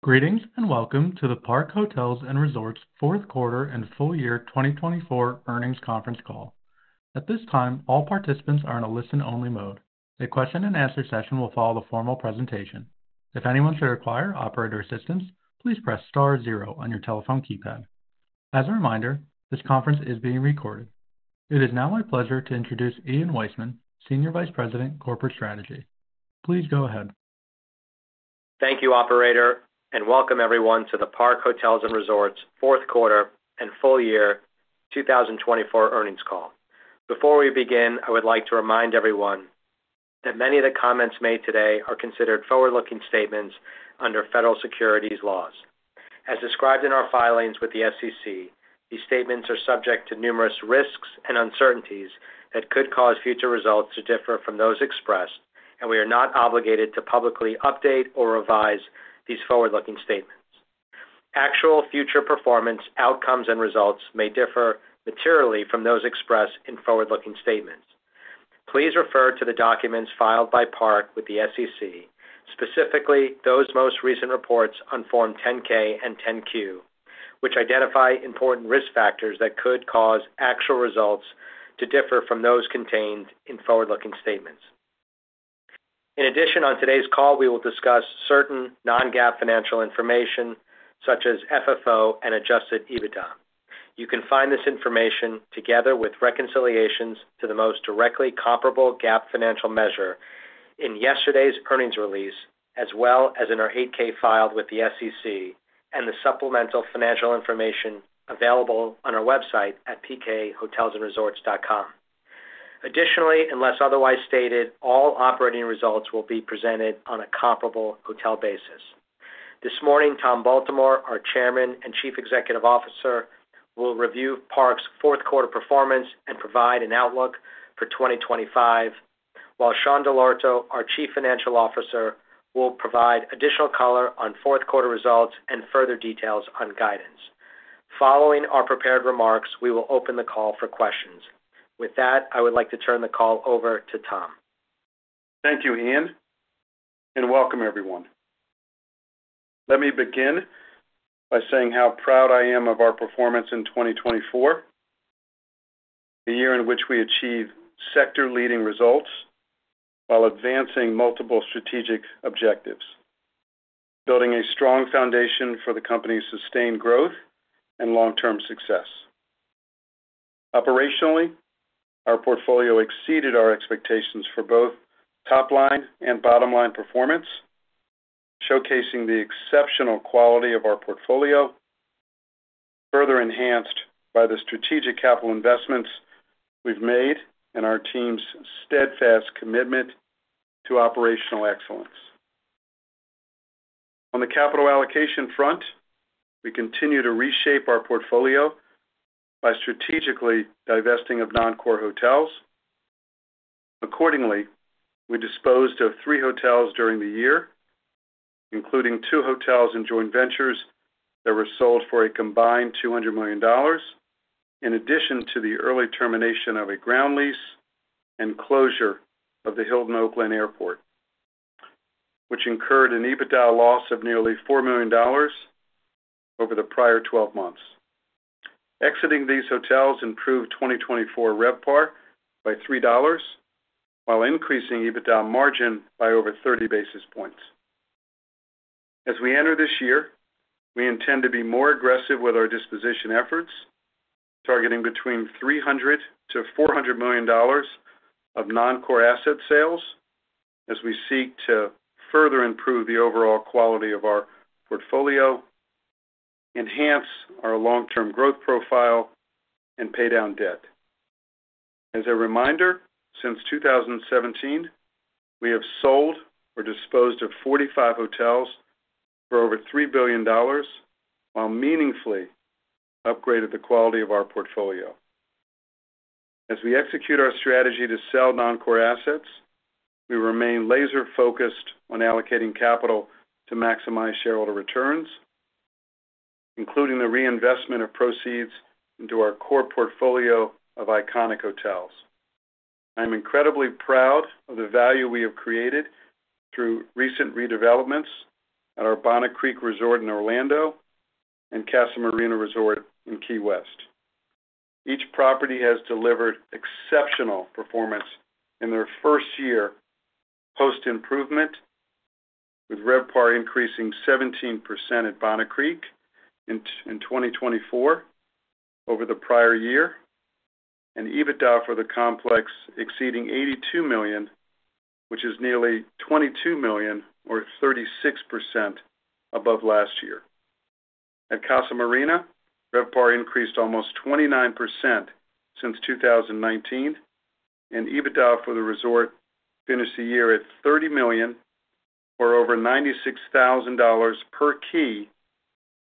Greetings and welcome to the Park Hotels & Resorts Fourth Quarter and Full Year 2024 Earnings Conference Call. At this time, all participants are in a listen-only mode. A question-and-answer session will follow the formal presentation. If anyone should require operator assistance, please press star zero on your telephone keypad. As a reminder, this conference is being recorded. It is now my pleasure to introduce Ian Weissman, Senior Vice President, Corporate Strategy. Please go ahead. Thank you, Operator, and welcome everyone to the Park Hotels & Resorts Fourth Quarter and Full Year 2024 Earnings Call. Before we begin, I would like to remind everyone that many of the comments made today are considered forward-looking statements under federal securities laws. As described in our filings with the SEC, these statements are subject to numerous risks and uncertainties that could cause future results to differ from those expressed, and we are not obligated to publicly update or revise these forward-looking statements. Actual future performance outcomes and results may differ materially from those expressed in forward-looking statements. Please refer to the documents filed by Park with the SEC, specifically those most recent reports on Form 10-K and 10-Q, which identify important risk factors that could cause actual results to differ from those contained in forward-looking statements. In addition, on today's call, we will discuss certain non-GAAP financial information such as FFO and adjusted EBITDA. You can find this information together with reconciliations to the most directly comparable GAAP financial measure in yesterday's earnings release, as well as in our 8-K filed with the SEC and the supplemental financial information available on our website at pkhotelsandresorts.com. Additionally, unless otherwise stated, all operating results will be presented on a comparable hotel basis. This morning, Tom Baltimore, our Chairman and Chief Executive Officer, will review Park's fourth quarter performance and provide an outlook for 2025, while Sean Dell'Orto, our Chief Financial Officer, will provide additional color on fourth quarter results and further details on guidance. Following our prepared remarks, we will open the call for questions. With that, I would like to turn the call over to Tom. Thank you, Ian, and welcome everyone. Let me begin by saying how proud I am of our performance in 2024, the year in which we achieved sector-leading results while advancing multiple strategic objectives, building a strong foundation for the company's sustained growth and long-term success. Operationally, our portfolio exceeded our expectations for both top-line and bottom-line performance, showcasing the exceptional quality of our portfolio, further enhanced by the strategic capital investments we've made and our team's steadfast commitment to operational excellence. On the capital allocation front, we continue to reshape our portfolio by strategically divesting of non-core hotels. Accordingly, we disposed of three hotels during the year, including two hotels and joint ventures that were sold for a combined $200 million, in addition to the early termination of a ground lease and closure of the Hilton Oakland Airport, which incurred an EBITDA loss of nearly $4 million over the prior 12 months. Exiting these hotels improved 2024 RevPAR by $3 while increasing EBITDA margin by over 30 basis points. As we enter this year, we intend to be more aggressive with our disposition efforts, targeting between $300-$400 million of non-core asset sales as we seek to further improve the overall quality of our portfolio, enhance our long-term growth profile, and pay down debt. As a reminder, since 2017, we have sold or disposed of 45 hotels for over $3 billion while meaningfully upgrading the quality of our portfolio. As we execute our strategy to sell non-core assets, we remain laser-focused on allocating capital to maximize shareholder returns, including the reinvestment of proceeds into our core portfolio of iconic hotels. I'm incredibly proud of the value we have created through recent redevelopments at Bonnet Creek Resort in Orlando and Casa Marina Resort in Key West. Each property has delivered exceptional performance in their first year post-improvement, with RevPAR increasing 17% at Bonnet Creek in 2024 over the prior year, and EBITDA for the complex exceeding $82 million, which is nearly $22 million or 36% above last year. At Casa Marina, RevPAR increased almost 29% since 2019, and EBITDA for the resort finished the year at $30 million or over $96,000 per key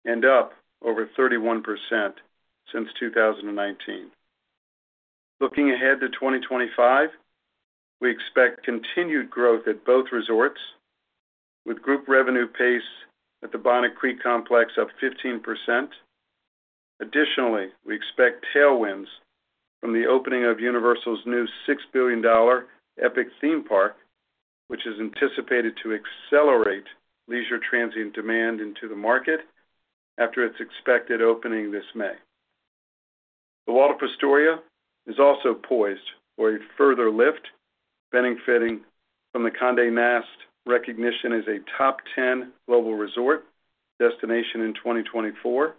and up over 31% since 2019.Looking ahead to 2025, we expect continued growth at both resorts, with group revenue pace at the Bonnet Creek complex up 15%. Additionally, we expect tailwinds from the opening of Universal's new $6 billion Epic Universe, which is anticipated to accelerate leisure transient demand into the market after its expected opening this May. The Waldorf Astoria is also poised for a further lift, benefiting from the Condé Nast recognition as a top 10 global resort destination in 2024.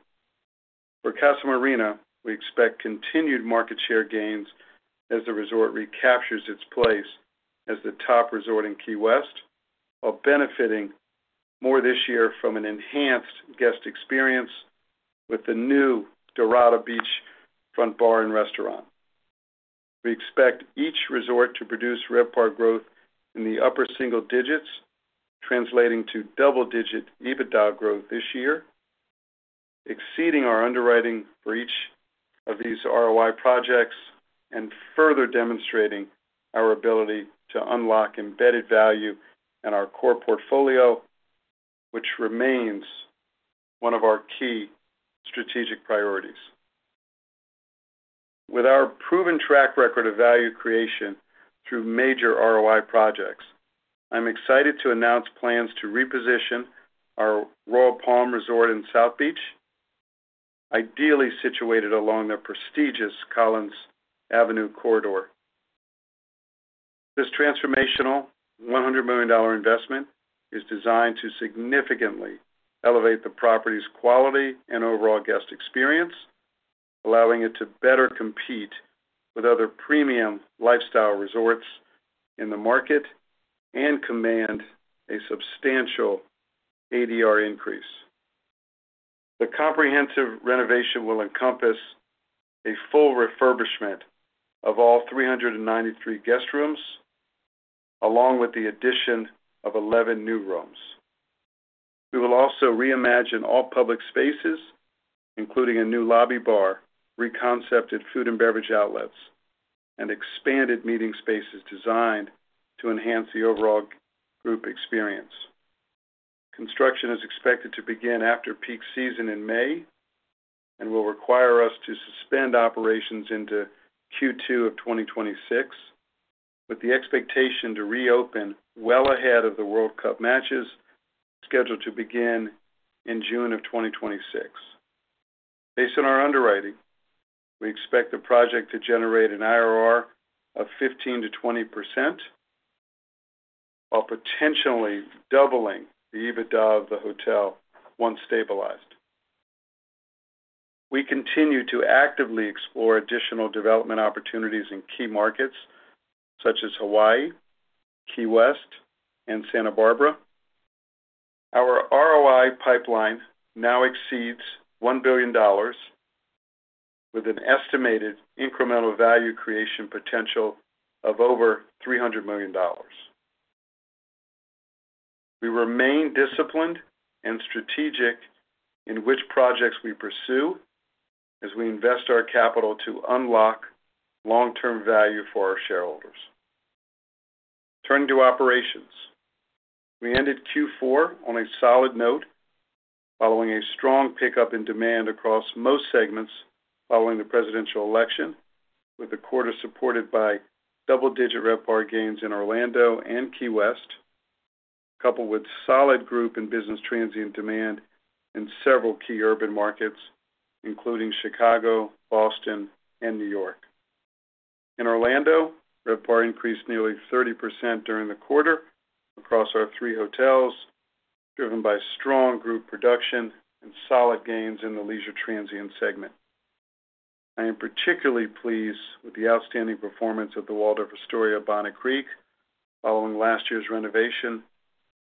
For Casa Marina, we expect continued market share gains as the resort recaptures its place as the top resort in Key West, while benefiting more this year from an enhanced guest experience with the new Dorada beachfront bar and restaurant. We expect each resort to produce RevPAR growth in the upper single digits, translating to double-digit EBITDA growth this year, exceeding our underwriting for each of these ROI projects and further demonstrating our ability to unlock embedded value in our core portfolio, which remains one of our key strategic priorities. With our proven track record of value creation through major ROI projects, I'm excited to announce plans to reposition our Royal Palm Resort in South Beach, ideally situated along the prestigious Collins Avenue corridor. This transformational $100 million investment is designed to significantly elevate the property's quality and overall guest experience, allowing it to better compete with other premium lifestyle resorts in the market and command a substantial ADR increase. The comprehensive renovation will encompass a full refurbishment of all 393 guest rooms, along with the addition of 11 new rooms. We will also reimagine all public spaces, including a new lobby bar, reconcepted food and beverage outlets, and expanded meeting spaces designed to enhance the overall group experience. Construction is expected to begin after peak season in May and will require us to suspend operations into Q2 of 2026, with the expectation to reopen well ahead of the World Cup matches scheduled to begin in June of 2026. Based on our underwriting, we expect the project to generate an IRR of 15%-20%, while potentially doubling the EBITDA of the hotel once stabilized. We continue to actively explore additional development opportunities in key markets such as Hawaii, Key West, and Santa Barbara. Our ROI pipeline now exceeds $1 billion, with an estimated incremental value creation potential of over $300 million. We remain disciplined and strategic in which projects we pursue as we invest our capital to unlock long-term value for our shareholders. Turning to operations, we ended Q4 on a solid note following a strong pickup in demand across most segments following the presidential election, with the quarter supported by double-digit RevPAR gains in Orlando and Key West, coupled with solid group and business transient demand in several key urban markets, including Chicago, Boston, and New York. In Orlando, RevPAR increased nearly 30% during the quarter across our three hotels, driven by strong group production and solid gains in the leisure transient segment. I am particularly pleased with the outstanding performance of the Waldorf Astoria Bonnet Creek following last year's renovation,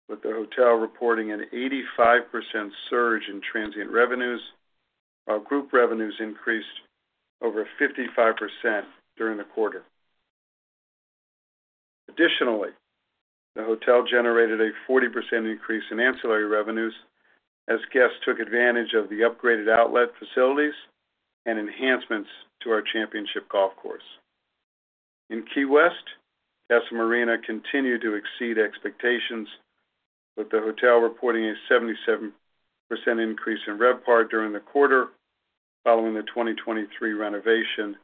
with the hotel reporting an 85% surge in transient revenues, while group revenues increased over 55% during the quarter. Additionally, the hotel generated a 40% increase in ancillary revenues as guests took advantage of the upgraded outlet facilities and enhancements to our championship golf course. In Key West, Casa Marina continued to exceed expectations, with the hotel reporting a 77% increase in RevPAR during the quarter following the 2023 renovation,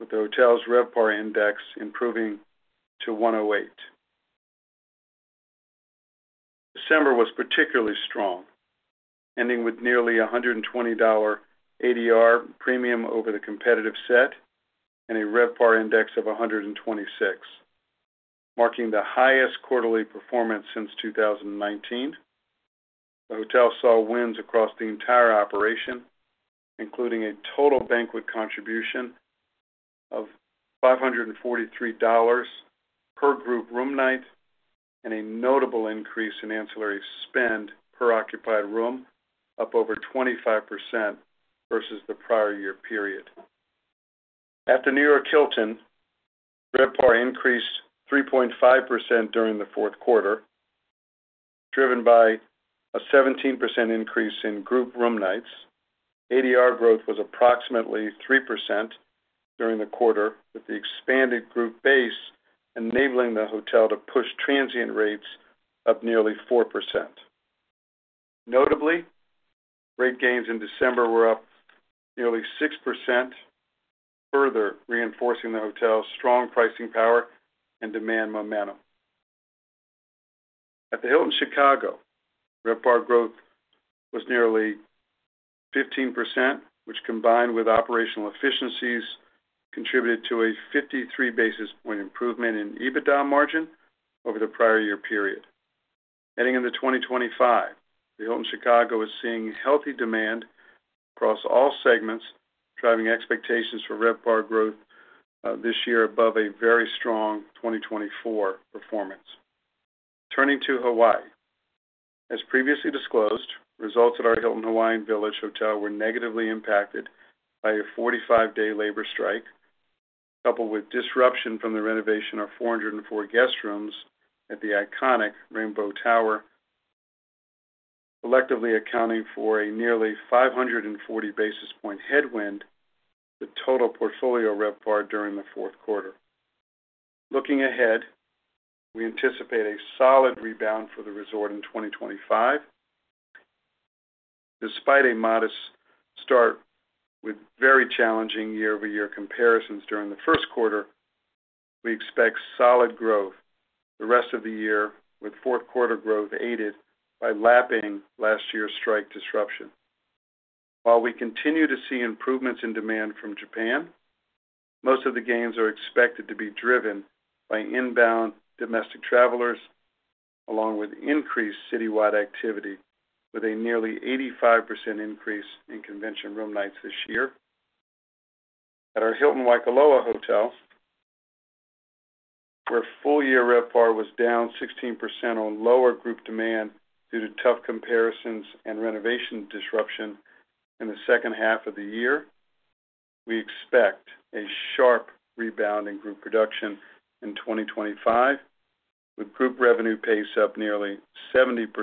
with the hotel's RevPAR index improving to 108. December was particularly strong, ending with nearly $120 ADR premium over the competitive set and a RevPAR index of 126, marking the highest quarterly performance since 2019. The hotel saw wins across the entire operation, including a total banquet contribution of $543 per group room night and a notable increase in ancillary spend per occupied room, up over 25% versus the prior year period. After New York Hilton, RevPAR increased 3.5% during the fourth quarter, driven by a 17% increase in group room nights. ADR growth was approximately 3% during the quarter, with the expanded group base enabling the hotel to push transient rates up nearly 4%. Notably, rate gains in December were up nearly 6%, further reinforcing the hotel's strong pricing power and demand momentum. At the Hilton Chicago, RevPAR growth was nearly 15%, which, combined with operational efficiencies, contributed to a 53 basis points improvement in EBITDA margin over the prior year period. Heading into 2025, the Hilton Chicago is seeing healthy demand across all segments, driving expectations for RevPAR growth this year above a very strong 2024 performance. Turning to Hawaii, as previously disclosed, results at our Hilton Hawaiian Village hotel were negatively impacted by a 45-day labor strike, coupled with disruption from the renovation of 404 guest rooms at the iconic Rainbow Tower, collectively accounting for a nearly 540 basis points headwind to total portfolio RevPAR during the fourth quarter. Looking ahead, we anticipate a solid rebound for the resort in 2025. Despite a modest start with very challenging year-over-year comparisons during the first quarter, we expect solid growth the rest of the year, with fourth-quarter growth aided by lapping last year's strike disruption. While we continue to see improvements in demand from Japan, most of the gains are expected to be driven by inbound domestic travelers, along with increased citywide activity, with a nearly 85% increase in convention room nights this year. At our Hilton Waikoloa Village, where full-year RevPAR was down 16% on lower group demand due to tough comparisons and renovation disruption in the second half of the year, we expect a sharp rebound in group production in 2025, with group revenue pace up nearly 70%,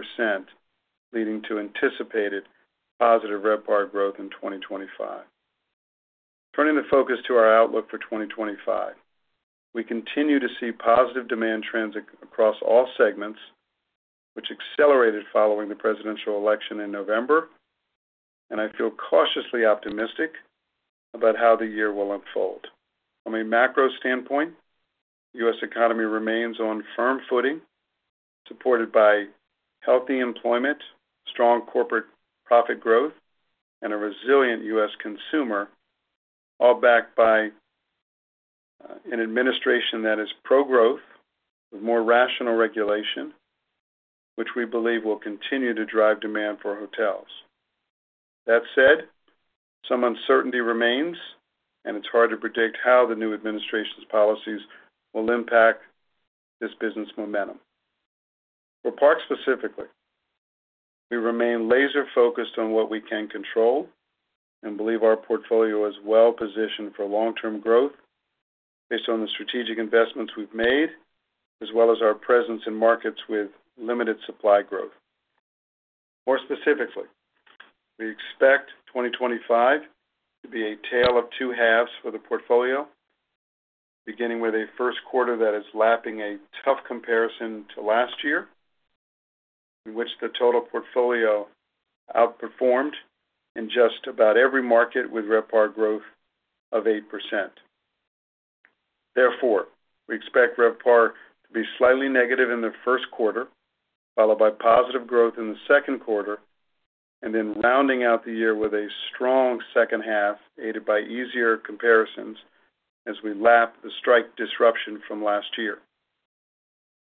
leading to anticipated positive RevPAR growth in 2025. Turning the focus to our outlook for 2025, we continue to see positive demand trends across all segments, which accelerated following the presidential election in November, and I feel cautiously optimistic about how the year will unfold. From a macro standpoint, the U.S. economy remains on firm footing, supported by healthy employment, strong corporate profit growth, and a resilient U.S. consumer, all backed by an administration that is pro-growth with more rational regulation, which we believe will continue to drive demand for hotels. That said, some uncertainty remains, and it's hard to predict how the new administration's policies will impact this business momentum. For Park specifically, we remain laser-focused on what we can control and believe our portfolio is well-positioned for long-term growth based on the strategic investments we've made, as well as our presence in markets with limited supply growth. More specifically, we expect 2025 to be a tale of two halves for the portfolio, beginning with a first quarter that is lapping a tough comparison to last year, in which the total portfolio outperformed in just about every market with RevPAR growth of 8%. Therefore, we expect RevPAR to be slightly negative in the first quarter, followed by positive growth in the second quarter, and then rounding out the year with a strong second half aided by easier comparisons as we lap the strike disruption from last year.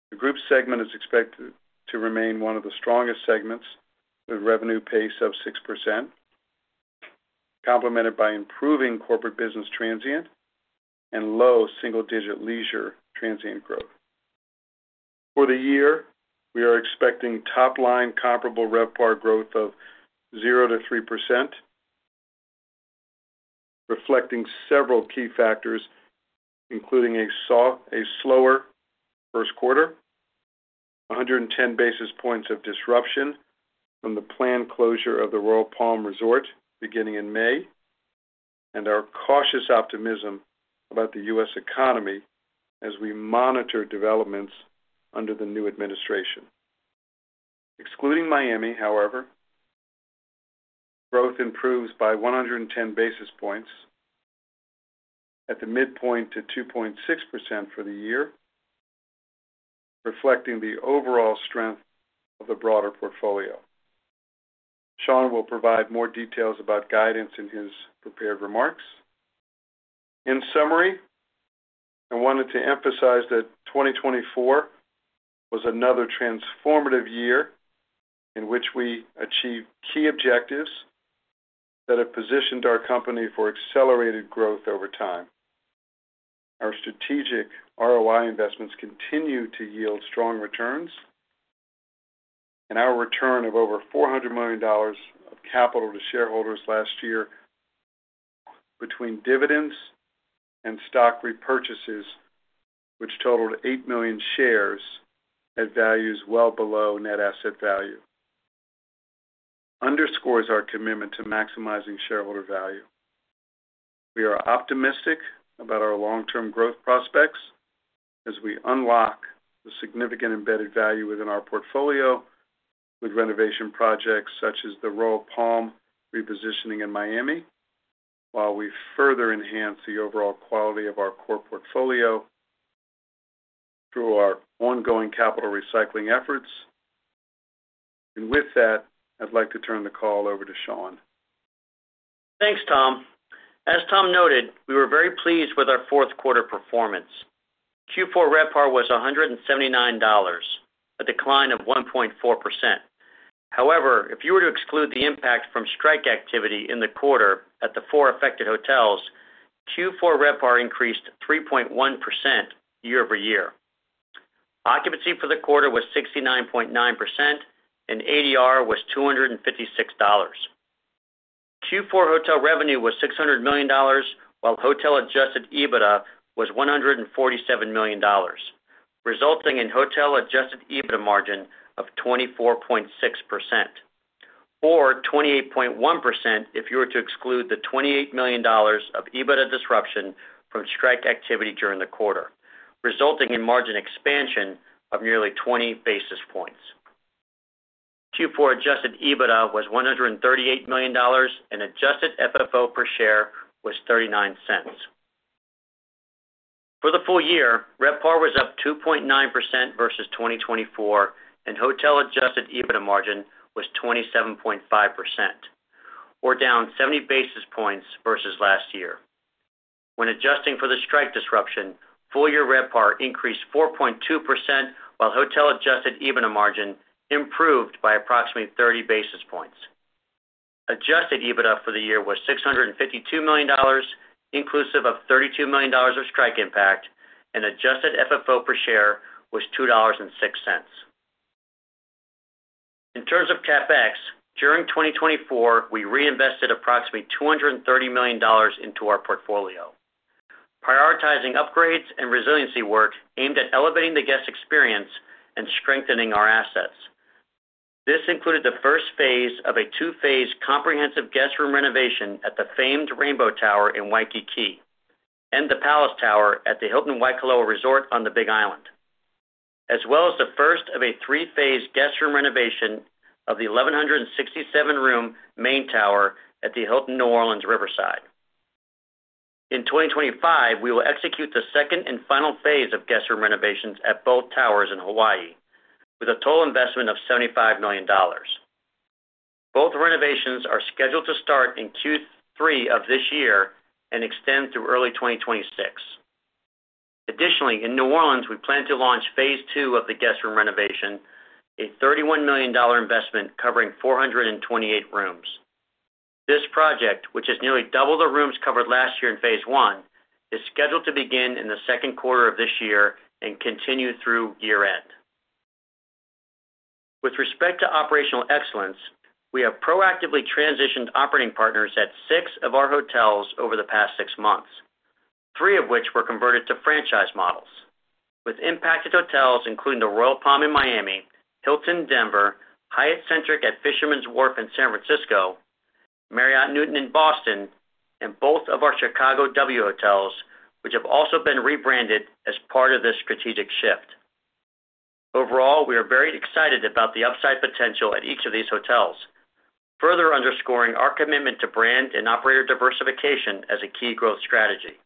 The group segment is expected to remain one of the strongest segments, with revenue pace of 6%, complemented by improving corporate business transient and low single-digit leisure transient growth. For the year, we are expecting top-line comparable RevPAR growth of 0%-3%, reflecting several key factors, including a slower first quarter, 110 basis points of disruption from the planned closure of the Royal Palm Resort beginning in May, and our cautious optimism about the U.S. economy as we monitor developments under the new administration. Excluding Miami, however, growth improves by 110 basis points at the midpoint to 2.6% for the year, reflecting the overall strength of the broader portfolio. Sean will provide more details about guidance in his prepared remarks. In summary, I wanted to emphasize that 2024 was another transformative year in which we achieved key objectives that have positioned our company for accelerated growth over time. Our strategic ROI investments continue to yield strong returns, and our return of over $400 million of capital to shareholders last year, between dividends and stock repurchases, which totaled eight million shares at values well below net asset value, underscores our commitment to maximizing shareholder value. We are optimistic about our long-term growth prospects as we unlock the significant embedded value within our portfolio with renovation projects such as the Royal Palm repositioning in Miami, while we further enhance the overall quality of our core portfolio through our ongoing capital recycling efforts. And with that, I'd like to turn the call over to Sean. Thanks, Tom. As Tom noted, we were very pleased with our fourth-quarter performance. Q4 RevPAR was $179, a decline of 1.4%. However, if you were to exclude the impact from strike activity in the quarter at the four affected hotels, Q4 RevPAR increased 3.1% year-over-year. Occupancy for the quarter was 69.9%, and ADR was $256. Q4 hotel revenue was $600 million, while hotel adjusted EBITDA was $147 million, resulting in hotel adjusted EBITDA margin of 24.6%, or 28.1% if you were to exclude the $28 million of EBITDA disruption from strike activity during the quarter, resulting in margin expansion of nearly 20 basis points. Q4 adjusted EBITDA was $138 million, and adjusted FFO per share was $0.39. For the full year, RevPAR was up 2.9% versus 2024, and hotel adjusted EBITDA margin was 27.5%, or down 70 basis points versus last year. When adjusting for the strike disruption, full-year RevPAR increased 4.2%, while hotel adjusted EBITDA margin improved by approximately 30 basis points. Adjusted EBITDA for the year was $652 million, inclusive of $32 million of strike impact, and adjusted FFO per share was $2.06. In terms of CapEx, during 2024, we reinvested approximately $230 million into our portfolio, prioritizing upgrades and resiliency work aimed at elevating the guest experience and strengthening our assets. This included the first phase of a two-phase comprehensive guest room renovation at the famed Rainbow Tower in Waikiki and the Palace Tower at the Hilton Waikoloa Village on the Big Island, as well as the first of a three-phase guest room renovation of the 1,167-room main tower at the Hilton New Orleans Riverside. In 2025, we will execute the second and final phase of guest room renovations at both towers in Hawaii, with a total investment of $75 million. Both renovations are scheduled to start in Q3 of this year and extend through early 2026. Additionally, in New Orleans, we plan to launch Phase 2 of the guest room renovation, a $31 million investment covering 428 rooms. This project, which is nearly double the rooms covered last year in Phase 1, is scheduled to begin in the second quarter of this year and continue through year-end. With respect to operational excellence, we have proactively transitioned operating partners at six of our hotels over the past six months, three of which were converted to franchise models, with impacted hotels including the Royal Palm in Miami, Hilton Denver, Hyatt Centric at Fisherman's Wharf in San Francisco, Marriott Newton in Boston, and both of our Chicago W Hotels, which have also been rebranded as part of this strategic shift. Overall, we are very excited about the upside potential at each of these hotels, further underscoring our commitment to brand and operator diversification as a key growth strategy.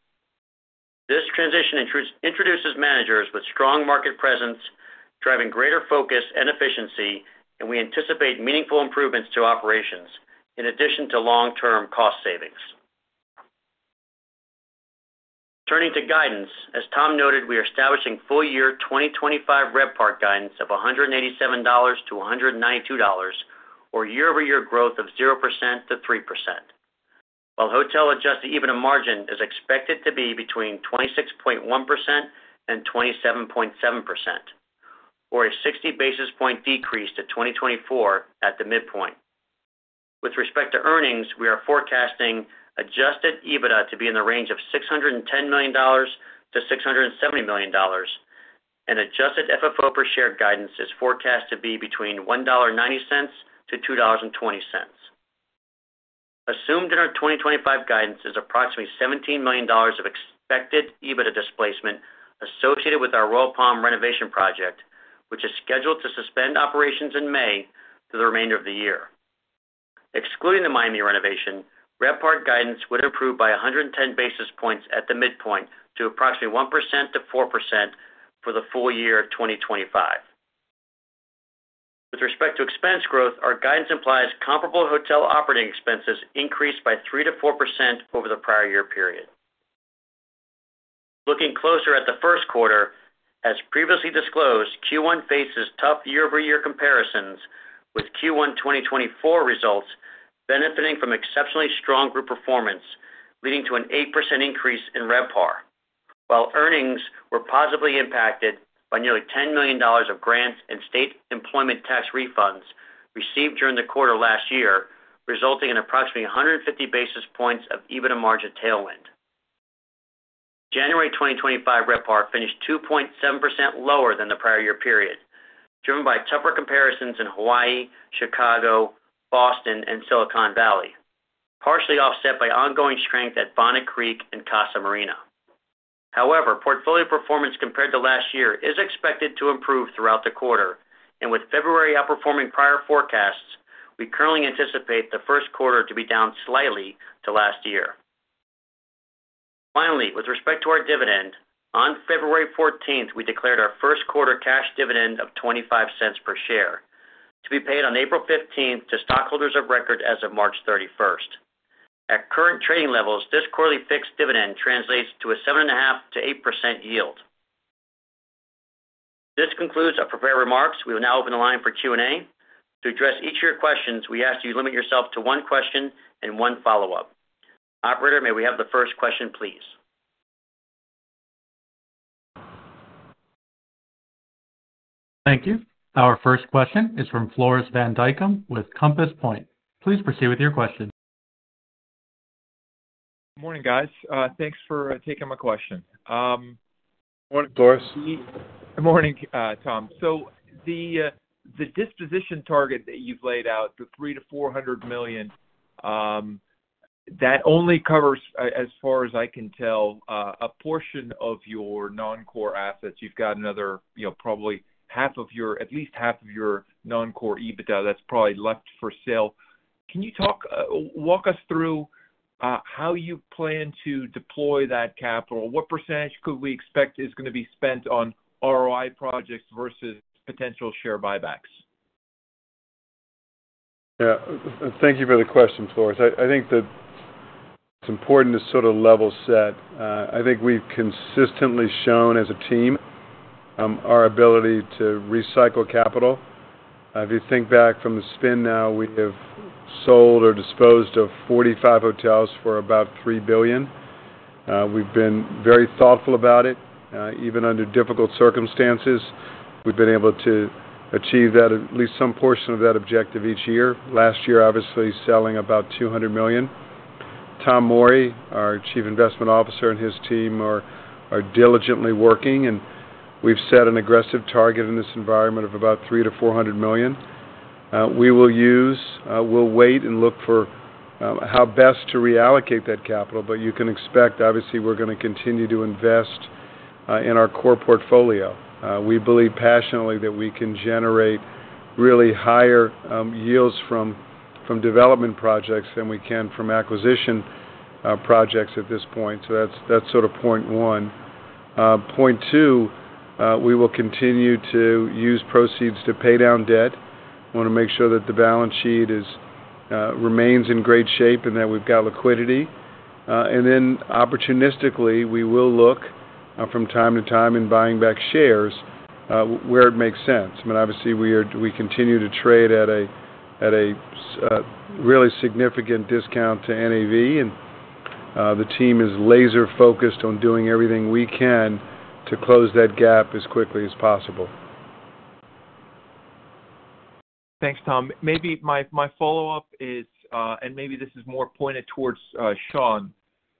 This transition introduces managers with strong market presence, driving greater focus and efficiency, and we anticipate meaningful improvements to operations in addition to long-term cost savings. Turning to guidance, as Tom noted, we are establishing full-year 2025 RevPAR guidance of $187-$192, or year-over-year growth of 0%-3%, while hotel adjusted EBITDA margin is expected to be between 26.1%-27.7%, or a 60 basis point decrease to 2024 at the midpoint. With respect to earnings, we are forecasting adjusted EBITDA to be in the range of $610 million-$670 million, and adjusted FFO per share guidance is forecast to be between $1.90-$2.20. Assumed in our 2025 guidance is approximately $17 million of expected EBITDA displacement associated with our Royal Palm renovation project, which is scheduled to suspend operations in May through the remainder of the year. Excluding the Miami renovation, RevPAR guidance would improve by 110 basis points at the midpoint to approximately 1%-4% for the full year of 2025. With respect to expense growth, our guidance implies comparable hotel operating expenses increased by 3%-4% over the prior year period. Looking closer at the first quarter, as previously disclosed, Q1 faces tough year-over-year comparisons, with Q1 2024 results benefiting from exceptionally strong group performance, leading to an 8% increase in RevPAR, while earnings were positively impacted by nearly $10 million of grants and state employment tax refunds received during the quarter last year, resulting in approximately 150 basis points of EBITDA margin tailwind. January 2025 RevPAR finished 2.7% lower than the prior year period, driven by tougher comparisons in Hawaii, Chicago, Boston, and Silicon Valley, partially offset by ongoing strength at Bonnet Creek and Casa Marina. However, portfolio performance compared to last year is expected to improve throughout the quarter, and with February outperforming prior forecasts, we currently anticipate the first quarter to be down slightly to last year. Finally, with respect to our dividend, on February 14th, we declared our first quarter cash dividend of $0.25 per share, to be paid on April 15th to stockholders of record as of March 31st. At current trading levels, this quarterly fixed dividend translates to a 7.5%-8% yield. This concludes our prepared remarks. We will now open the line for Q&A. To address each of your questions, we ask that you limit yourself to one question and one follow-up. Operator, may we have the first question, please? Thank you. Our first question is from Floris van Dijkum with Compass Point. Please proceed with your question. Morning, guys. Thanks for taking my question. Morning, Floris. Good morning, Tom. So the disposition target that you've laid out, the $300-$400 million, that only covers, as far as I can tell, a portion of your non-core assets. You've got another probably half of your, at least half of your non-core EBITDA that's probably left for sale. Can you talk, walk us through how you plan to deploy that capital? What percentage could we expect is going to be spent on ROI projects versus potential share buybacks? Yeah. Thank you for the question, Floris. I think that it's important to sort of level set. I think we've consistently shown as a team our ability to recycle capital. If you think back from the spin now, we have sold or disposed of 45 hotels for about $3 billion. We've been very thoughtful about it. Even under difficult circumstances, we've been able to achieve that, at least some portion of that objective each year. Last year, obviously, selling about $200 million. Tom Morey our Chief Investment Officer and his team are diligently working, and we've set an aggressive target in this environment of about $300-$400 million. We will use, we'll wait and look for how best to reallocate that capital, but you can expect, obviously, we're going to continue to invest in our core portfolio. We believe passionately that we can generate really higher yields from development projects than we can from acquisition projects at this point. So that's sort of point one. Point two, we will continue to use proceeds to pay down debt. We want to make sure that the balance sheet remains in great shape and that we've got liquidity. And then opportunistically, we will look from time to time in buying back shares where it makes sense. I mean, obviously, we continue to trade at a really significant discount to NAV, and the team is laser-focused on doing everything we can to close that gap as quickly as possible. Thanks, Tom. Maybe my follow-up is, and maybe this is more pointed towards Sean.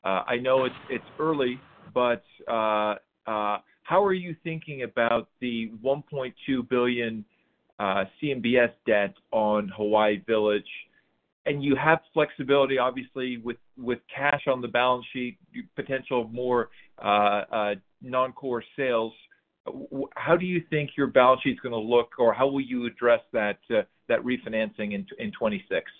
I know it's early, but how are you thinking about the $1.2 billion CMBS debt on Hawaiian Village? And you have flexibility, obviously, with cash on the balance sheet, potential of more non-core sales. How do you think your balance sheet is going to look, or how will you address that refinancing in 2026?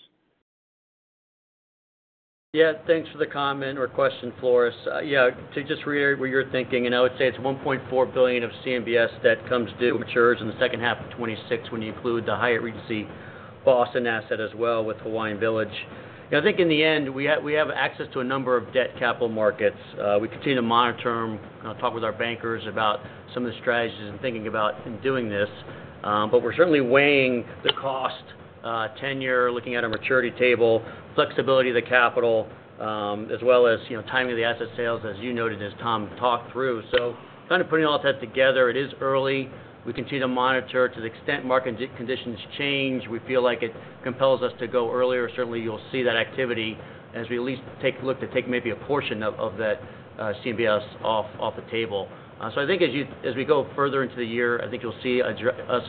Yeah. Thanks for the comment or question, Floris. Yeah.To just reiterate what you're thinking, and I would say it's $1.4 billion of CMBS debt comes due and matures in the second half of 2026 when you include the Hyatt Regency Boston asset as well with Hilton Hawaiian Village. I think in the end, we have access to a number of debt capital markets. We continue to monitor them, talk with our bankers about some of the strategies and thinking about doing this, but we're certainly weighing the cost, tenure, looking at our maturity table, flexibility of the capital, as well as timing of the asset sales, as you noted, as Tom talked through. So kind of putting all that together, it is early. We continue to monitor. To the extent market conditions change, we feel like it compels us to go earlier. Certainly, you'll see that activity as we at least take a look to take maybe a portion of that CMBS off the table. So I think as we go further into the year, I think you'll see us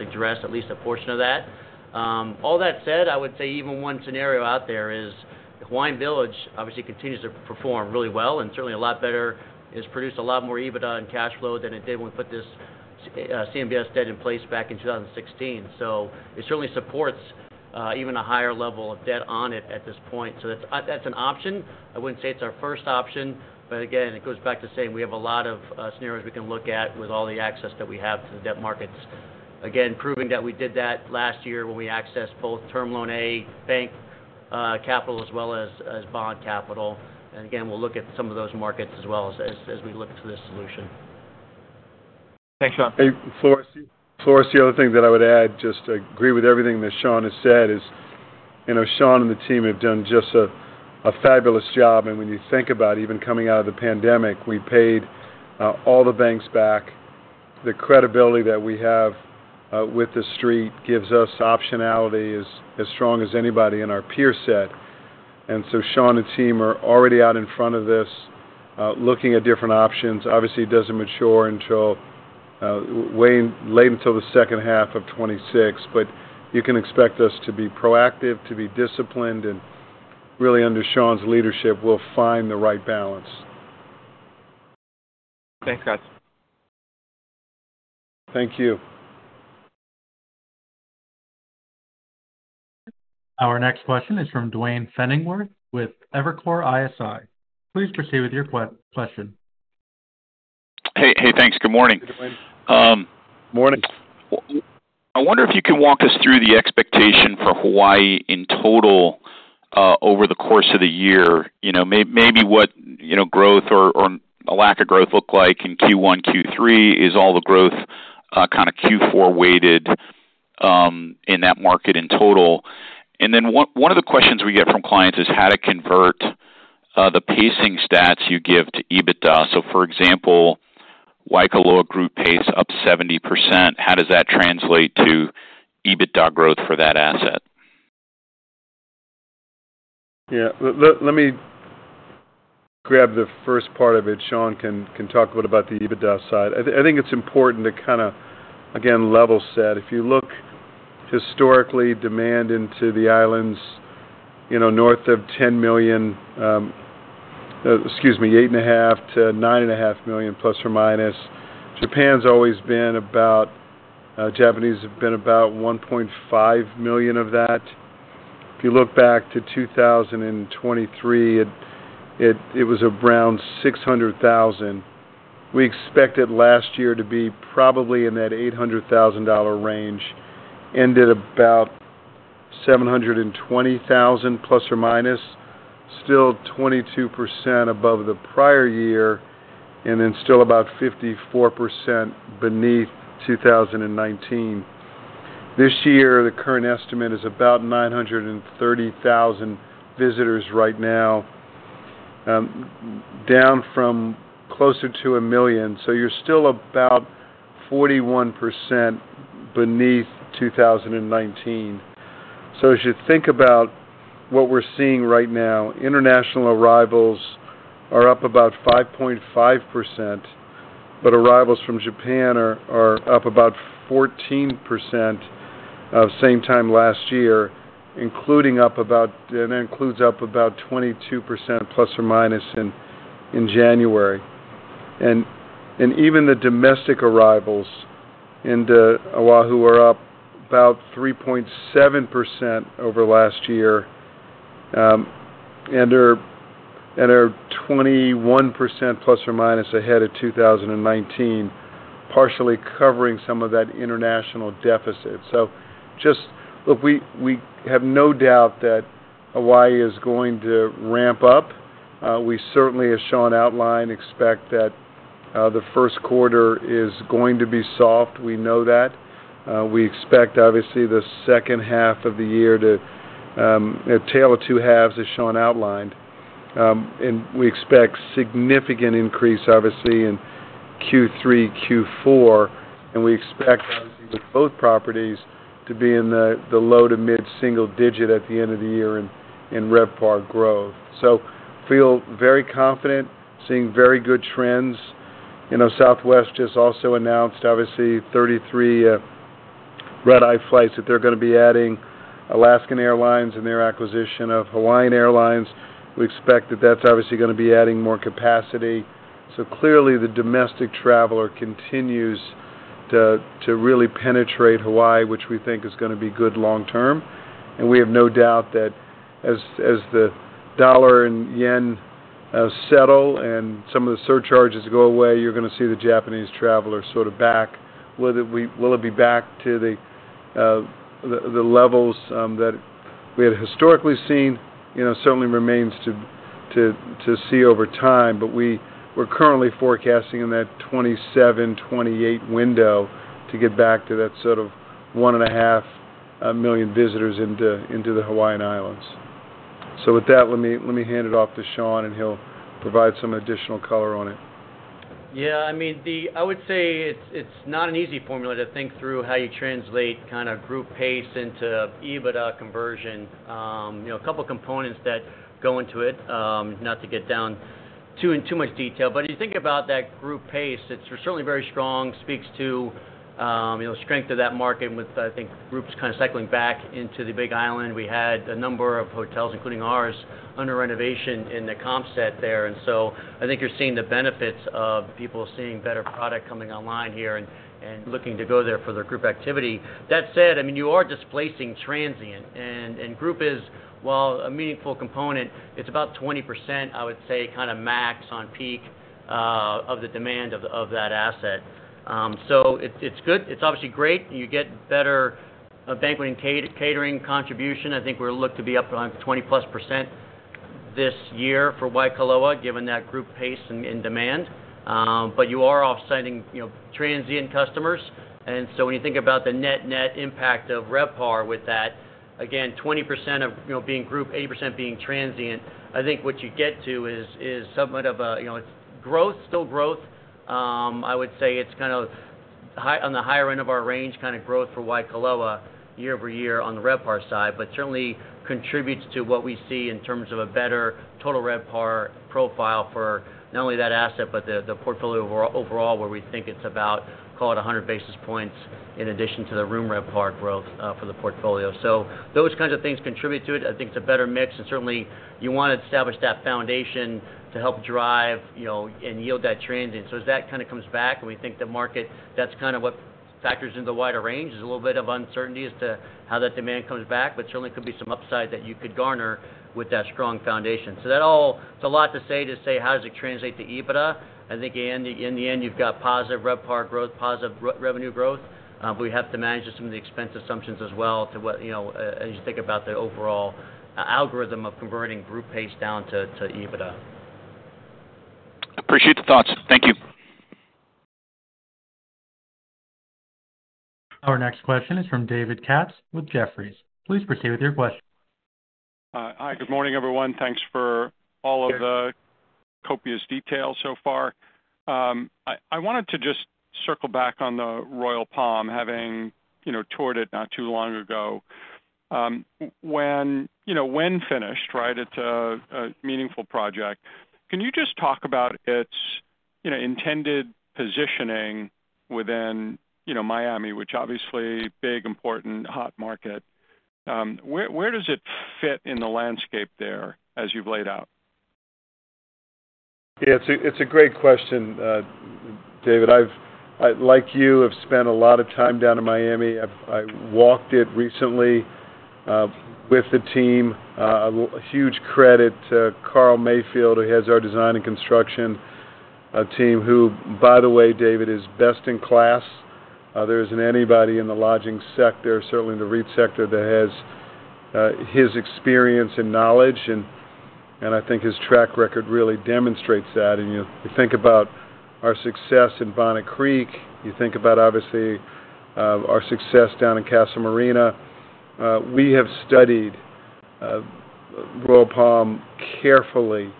address at least a portion of that. All that said, I would say even one scenario out there is Hawaiian Village, obviously, continues to perform really well and certainly a lot better, has produced a lot more EBITDA and cash flow than it did when we put this CMBS debt in place back in 2016. So it certainly supports even a higher level of debt on it at this point. So that's an option. I wouldn't say it's our first option, but again, it goes back to saying we have a lot of scenarios we can look at with all the access that we have to the debt markets. Again, proving that we did that last year when we accessed both Term Loan A bank capital as well as bond capital. Again, we'll look at some of those markets as well as we look to this solution. Thanks, Sean. Floris, the other thing that I would add, just agree with everything that Sean has said, is Sean and the team have done just a fabulous job. When you think about even coming out of the pandemic, we paid all the banks back. The credibility that we have with the street gives us optionality as strong as anybody in our peer set. So Sean and team are already out in front of this looking at different options. Obviously, it doesn't mature until late until the second half of 2026, but you can expect us to be proactive, to be disciplined, and really under Sean's leadership, we'll find the right balance. Thanks, guys. Thank you. Our next question is from Duane Pfennigwerth with Evercore ISI. Please proceed with your question. Hey. Thanks. Good morning. Good morning. I wonder if you could walk us through the expectation for Hawaii in total over the course of the year. Maybe what growth or a lack of growth looked like in Q1. Q3 is all the growth kind of Q4-weighted in that market in total. And then one of the questions we get from clients is how to convert the pacing stats you give to EBITDA. So for example, Waikoloa group paced up 70%. How does that translate to EBITDA growth for that asset? Yeah. Let me grab the first part of it. Sean can talk a bit about the EBITDA side. I think it's important to kind of, again, level set. If you look historically, demand into the islands north of 10 million, excuse me, 8.5-9.5 million plus or minus. Japan's always been about, Japanese have been about 1.5 million of that. If you look back to 2023, it was around 600,000. We expected last year to be probably in that $800,000 range, ended about 720,000 plus or minus, still 22% above the prior year, and then still about 54% beneath 2019. This year, the current estimate is about 930,000 visitors right now, down from closer to a million. You're still about 41% beneath 2019. As you think about what we're seeing right now, international arrivals are up about 5.5%, but arrivals from Japan are up about 14% same time last year, including up about 22% plus or minus in January. Even the domestic arrivals in Oahu are up about 3.7% over last year and are 21% plus or minus ahead of 2019, partially covering some of that international deficit. Just look, we have no doubt that Hawaii is going to ramp up. We certainly, as Sean outlined, expect that the first quarter is going to be soft. We know that. We expect, obviously, the second half of the year to, the tail of two halves as Sean outlined. We expect significant increase, obviously, in Q3, Q4, and we expect, obviously, with both properties to be in the low- to mid-single-digit at the end of the year in RevPAR growth. So feel very confident, seeing very good trends. Southwest just also announced, obviously, 33 red-eye flights that they're going to be adding Alaska Airlines and their acquisition of Hawaiian Airlines. We expect that that's obviously going to be adding more capacity. So clearly, the domestic traveler continues to really penetrate Hawaii, which we think is going to be good long-term. And we have no doubt that as the dollar and yen settle and some of the surcharges go away, you're going to see the Japanese traveler sort of back. Will it be back to the levels that we had historically seen? Certainly remains to see over time, but we're currently forecasting in that 27-28 window to get back to that sort of 1.5 million visitors into the Hawaiian Islands. So with that, let me hand it off to Sean, and he'll provide some additional color on it. Yeah. I mean, I would say it's not an easy formula to think through how you translate kind of group pace into EBITDA conversion. A couple of components that go into it, not to get down too much detail. But if you think about that group pace, it's certainly very strong, speaks to the strength of that market with, I think, groups kind of cycling back into the Big Island. We had a number of hotels, including ours, under renovation in the comp set there. I think you're seeing the benefits of people seeing better product coming online here and looking to go there for their group activity. That said, I mean, you are displacing transient, and group is, while a meaningful component, it's about 20%, I would say, kind of max on peak of the demand of that asset. So it's good. It's obviously great. You get better banquet and catering contribution. I think we're looking to be up around 20-plus% this year for Waikoloa, given that group pace and demand. But you are offsetting transient customers. And so when you think about the net-net impact of RevPAR with that, again, 20% of being group, 80% being transient, I think what you get to is somewhat of a growth, still growth. I would say it's kind of on the higher end of our range kind of growth for Waikoloa year over year on the RevPAR side, but certainly contributes to what we see in terms of a better total RevPAR profile for not only that asset, but the portfolio overall, where we think it's about, call it 100 basis points in addition to the room RevPAR growth for the portfolio. So those kinds of things contribute to it. I think it's a better mix, and certainly you want to establish that foundation to help drive and yield that transient. So as that kind of comes back, and we think the market, that's kind of what factors into the wider range, is a little bit of uncertainty as to how that demand comes back, but certainly could be some upside that you could garner with that strong foundation. So that all, it's a lot to say, how does it translate to EBITDA? I think in the end, you've got positive RevPAR growth, positive revenue growth, but we have to manage some of the expense assumptions as well to what, as you think about the overall algorithm of converting group pace down to EBITDA. Appreciate the thoughts. Thank you. Our next question is from David Katz with Jefferies. Please proceed with your question. Hi. Good morning, everyone. Thanks for all of the copious detail so far. I wanted to just circle back on the Royal Palm, having toured it not too long ago. When finished, right, it's a meaningful project. Can you just talk about its intended positioning within Miami, which obviously is a big, important, hot market? Where does it fit in the landscape there as you've laid out? Yeah. It's a great question, David. Like you, I've spent a lot of time down in Miami. I walked it recently with the team. Huge credit to Carl Mayfield, who has our design and construction team, who, by the way, David, is best in class. There isn't anybody in the lodging sector, certainly in the REIT sector, that has his experience and knowledge, and I think his track record really demonstrates that, and you think about our success in Bonnet Creek, you think about, obviously, our success down in Casa Marina. We have studied Royal Palm carefully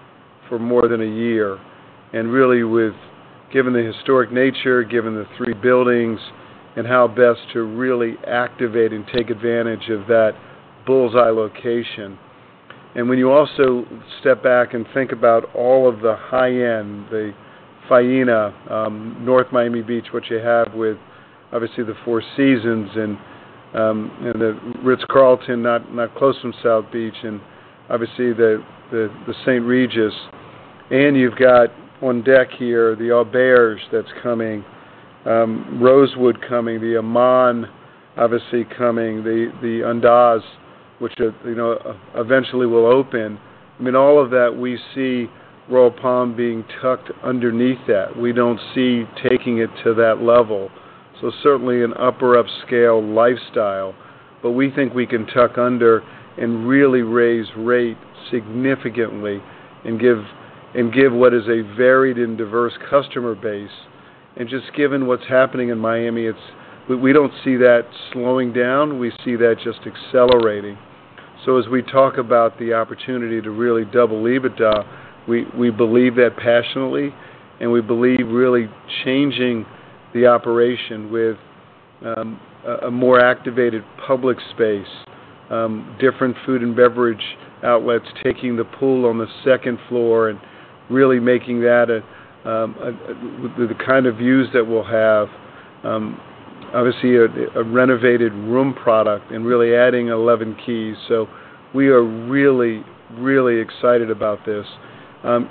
for more than a year, and really, given the historic nature, given the three buildings, and how best to really activate and take advantage of that bullseye location. When you also step back and think about all of the high-end, the Faena North Miami Beach, what you have with, obviously, the Four Seasons and the Ritz-Carlton, not close to the beach, and obviously the St. Regis. You've got on deck here the Auberge that's coming, Rosewood coming, the Aman, obviously, coming, the Andaz, which eventually will open. I mean, all of that, we see Royal Palm being tucked underneath that. We don't see taking it to that level. Certainly an upper-upscale lifestyle, but we think we can tuck under and really raise rate significantly and give what is a varied and diverse customer base. Just given what's happening in Miami, we don't see that slowing down. We see that just accelerating. So as we talk about the opportunity to really double EBITDA, we believe that passionately, and we believe really changing the operation with a more activated public space, different food and beverage outlets, taking the pool on the second floor, and really making that the kind of views that we'll have, obviously, a renovated room product and really adding 11 keys. So we are really, really excited about this.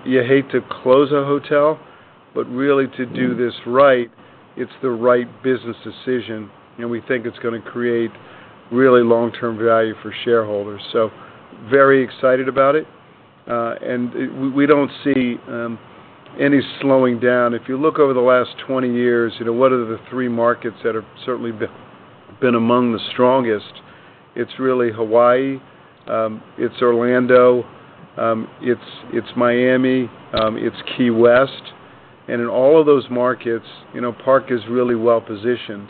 You hate to close a hotel, but really to do this right, it's the right business decision, and we think it's going to create really long-term value for shareholders. So very excited about it, and we don't see any slowing down. If you look over the last 20 years, what are the three markets that have certainly been among the strongest? It's really Hawaii. It's Orlando. It's Miami. It's Key West. And in all of those markets, Park is really well positioned.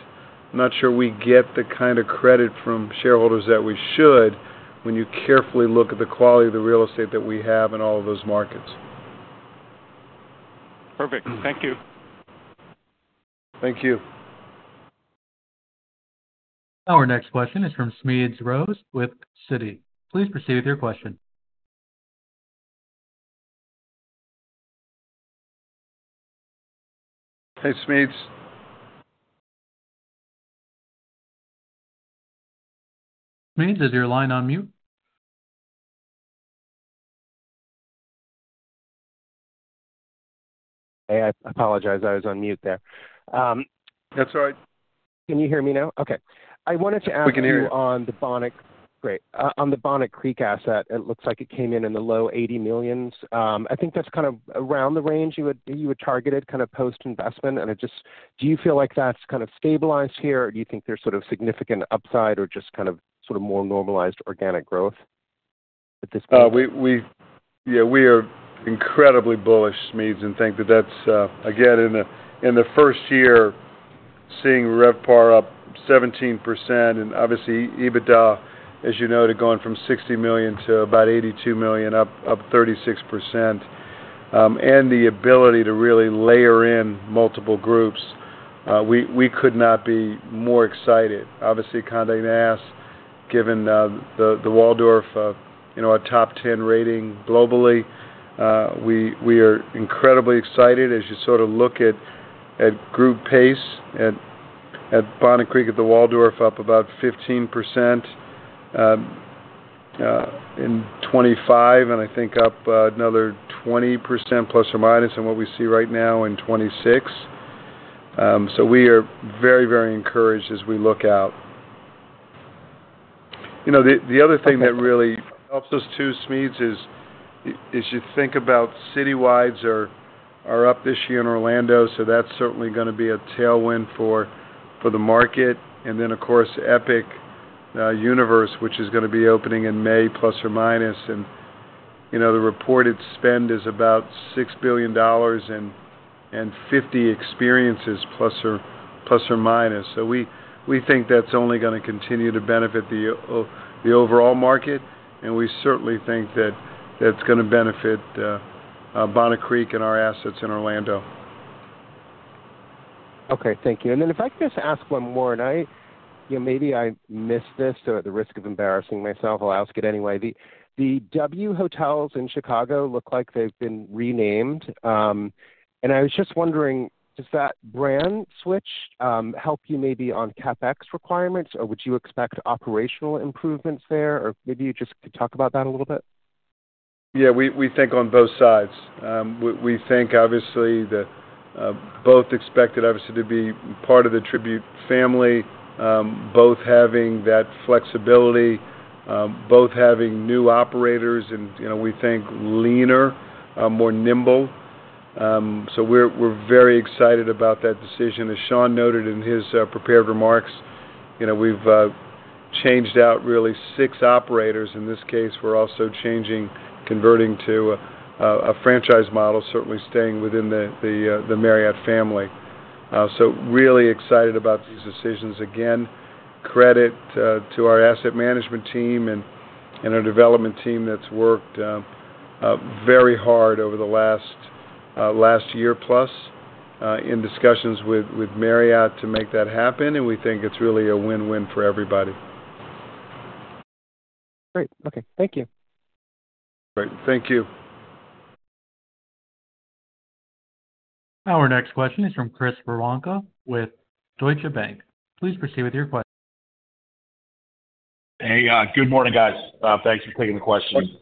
I'm not sure we get the kind of credit from shareholders that we should when you carefully look at the quality of the real estate that we have in all of those markets. Perfect. Thank you. Thank you. Our next question is from Smedes Rose with Citi. Please proceed with your question. Hey, Smedes. Smedes, is your line on mute? Hey, I apologize. I was on mute there. That's all right. Can you hear me now? Okay. I wanted to ask you on the Bonnet Creek. On the Bonnet Creek asset, it looks like it came in in the low $80 millions. I think that's kind of around the range you would target it kind of post-investment. Do you feel like that's kind of stabilized here, or do you think there's sort of significant upside or just kind of sort of more normalized organic growth at this point? Yeah. We are incredibly bullish, Smedes, and think that that's, again, in the first year, seeing RevPAR up 17%. And obviously, EBITDA, as you noted, going from $60 million to about $82 million, up 36%. And the ability to really layer in multiple groups, we could not be more excited. Obviously, Condé Nast, given the Waldorf, our top 10 rating globally, we are incredibly excited. As you sort of look at group pace at Bonnet Creek at the Waldorf, up about 15% in 2025, and I think up another 20% plus or minus in what we see right now in 2026. So we are very, very encouraged as we look out. The other thing that really helps us too, Smedes, is you think about citywides are up this year in Orlando, so that's certainly going to be a tailwind for the market. And then, of course, Epic Universe, which is going to be opening in May plus or minus. And the reported spend is about $6 billion and 50 experiences plus or minus. So we think that's only going to continue to benefit the overall market, and we certainly think that that's going to benefit Bonnet Creek and our assets in Orlando. Okay. Thank you. And then if I could just ask one more, and maybe I missed this to the risk of embarrassing myself, I'll ask it anyway. The W Hotels in Chicago look like they've been renamed. And I was just wondering, does that brand switch help you maybe on CapEx requirements, or would you expect operational improvements there? Or maybe you just could talk about that a little bit. Yeah. We think on both sides. We think, obviously, both expected, obviously, to be part of the Tribute family, both having that flexibility, both having new operators, and we think leaner, more nimble. So we're very excited about that decision. As Sean noted in his prepared remarks, we've changed out really six operators. In this case, we're also changing, converting to a franchise model, certainly staying within the Marriott family. So really excited about these decisions. Again, credit to our asset management team and our development team that's worked very hard over the last year plus in discussions with Marriott to make that happen, and we think it's really a win-win for everybody. Great. Okay. Thank you. Great. Thank you. Our next question is from Chris Woronka with Deutsche Bank. Please proceed with your question. Hey, good morning, guys. Thanks for taking the question.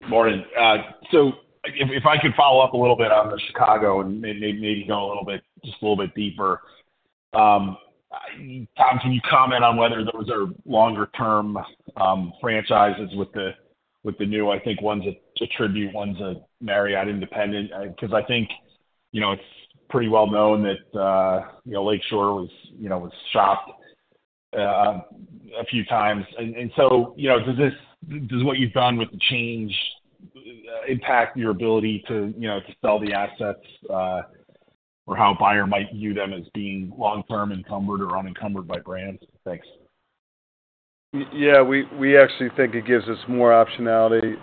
Good morning. So if I could follow up a little bit on the Chicago and maybe go a little bit, just a little bit deeper. Tom, can you comment on whether those are longer-term franchises with the new, I think, ones at Tribute, ones at Marriott independent? Because I think it's pretty well known that Lakeshore was shopped a few times. And so does what you've done with the change impact your ability to sell the assets or how a buyer might view them as being long-term encumbered or unencumbered by brands? Thanks. Yeah. We actually think it gives us more optionality.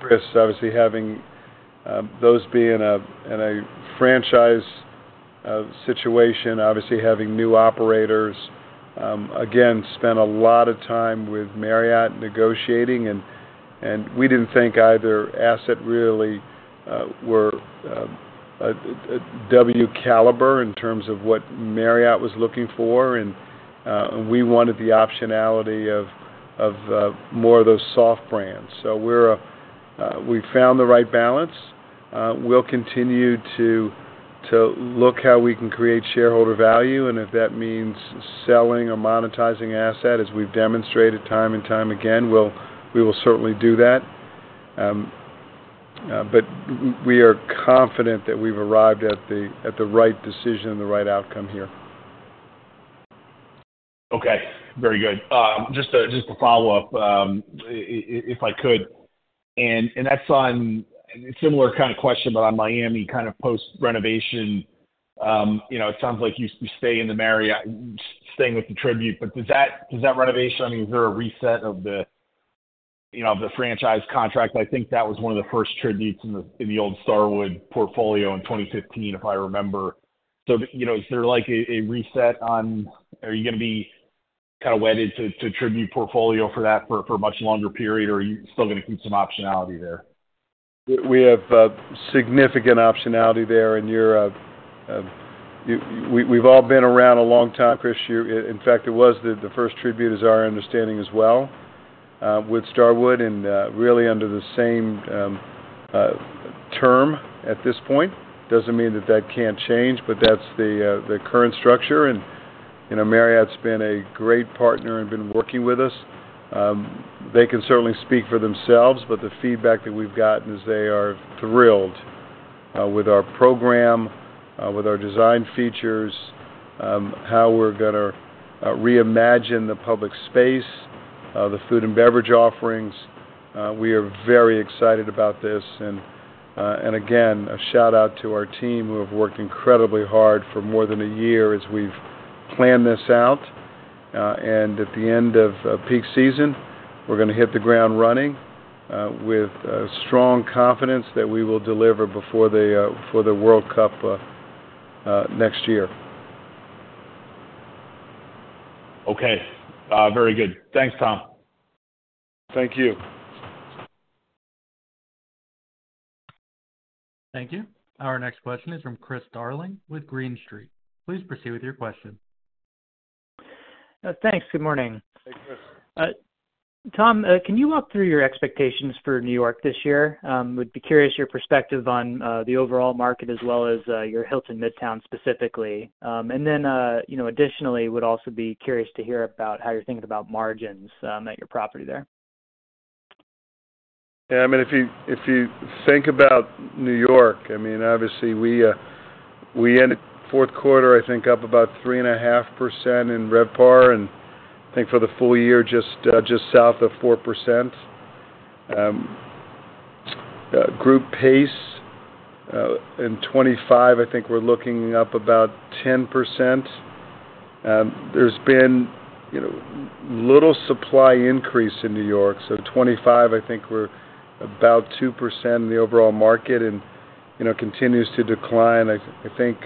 Chris, obviously, having those being in a franchise situation, obviously having new operators, again, spent a lot of time with Marriott negotiating, and we didn't think either asset really were W caliber in terms of what Marriott was looking for, and we wanted the optionality of more of those soft brands. So we found the right balance. We'll continue to look how we can create shareholder value, and if that means selling or monetizing asset, as we've demonstrated time and time again, we will certainly do that. But we are confident that we've arrived at the right decision and the right outcome here. Okay. Very good. Just a follow-up, if I could. And that's on a similar kind of question, but on Miami kind of post-renovation. It sounds like you stay in the Marriott, staying with the Tribute, but does that renovation, I mean, is there a reset of the franchise contract? I think that was one of the first Tributes in the old Starwood portfolio in 2015, if I remember. So is there like a reset on, are you going to be kind of wedded to Tribute Portfolio for that for a much longer period, or are you still going to keep some optionality there? We have significant optionality there, and we've all been around a long time, Chris. In fact, it was the first Tribute, as our understanding as well, with Starwood and really under the same term at this point. Doesn't mean that that can't change, but that's the current structure, and Marriott's been a great partner and been working with us. They can certainly speak for themselves, but the feedback that we've gotten is they are thrilled with our program, with our design features, how we're going to reimagine the public space, the food and beverage offerings. We are very excited about this. And again, a shout-out to our team who have worked incredibly hard for more than a year as we've planned this out. And at the end of peak season, we're going to hit the ground running with strong confidence that we will deliver before the World Cup next year. Okay. Very good. Thanks, Tom. Thank you. Thank you. Our next question is from Chris Darling with Green Street. Please proceed with your question. Thanks. Good morning. Hey, Chris. Tom, can you walk through your expectations for New York this year? Would be curious your perspective on the overall market as well as your Hilton Midtown specifically. And then additionally, would also be curious to hear about how you're thinking about margins at your property there. Yeah. I mean, if you think about New York, I mean, obviously, we ended fourth quarter, I think, up about 3.5% in RevPAR, and I think for the full year, just south of 4%. Group pace in 2025, I think we're looking up about 10%. There's been little supply increase in New York. So 2025, I think we're about 2% in the overall market and continues to decline. I think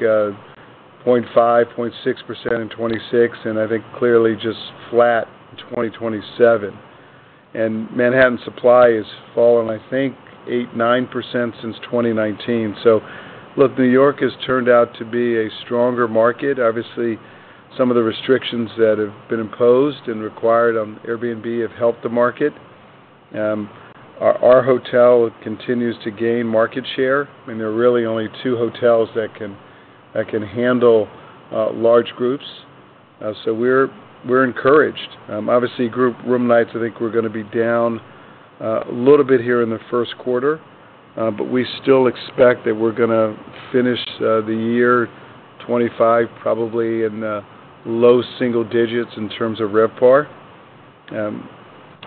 0.5%-0.6% in 2026, and I think clearly just flat in 2027. And Manhattan supply has fallen, I think, 8%-9% since 2019. So look, New York has turned out to be a stronger market. Obviously, some of the restrictions that have been imposed and required on Airbnb have helped the market. Our hotel continues to gain market share. I mean, there are really only two hotels that can handle large groups. So we're encouraged. Obviously, group room nights, I think we're going to be down a little bit here in the first quarter, but we still expect that we're going to finish the year 2025 probably in low single digits in terms of RevPAR.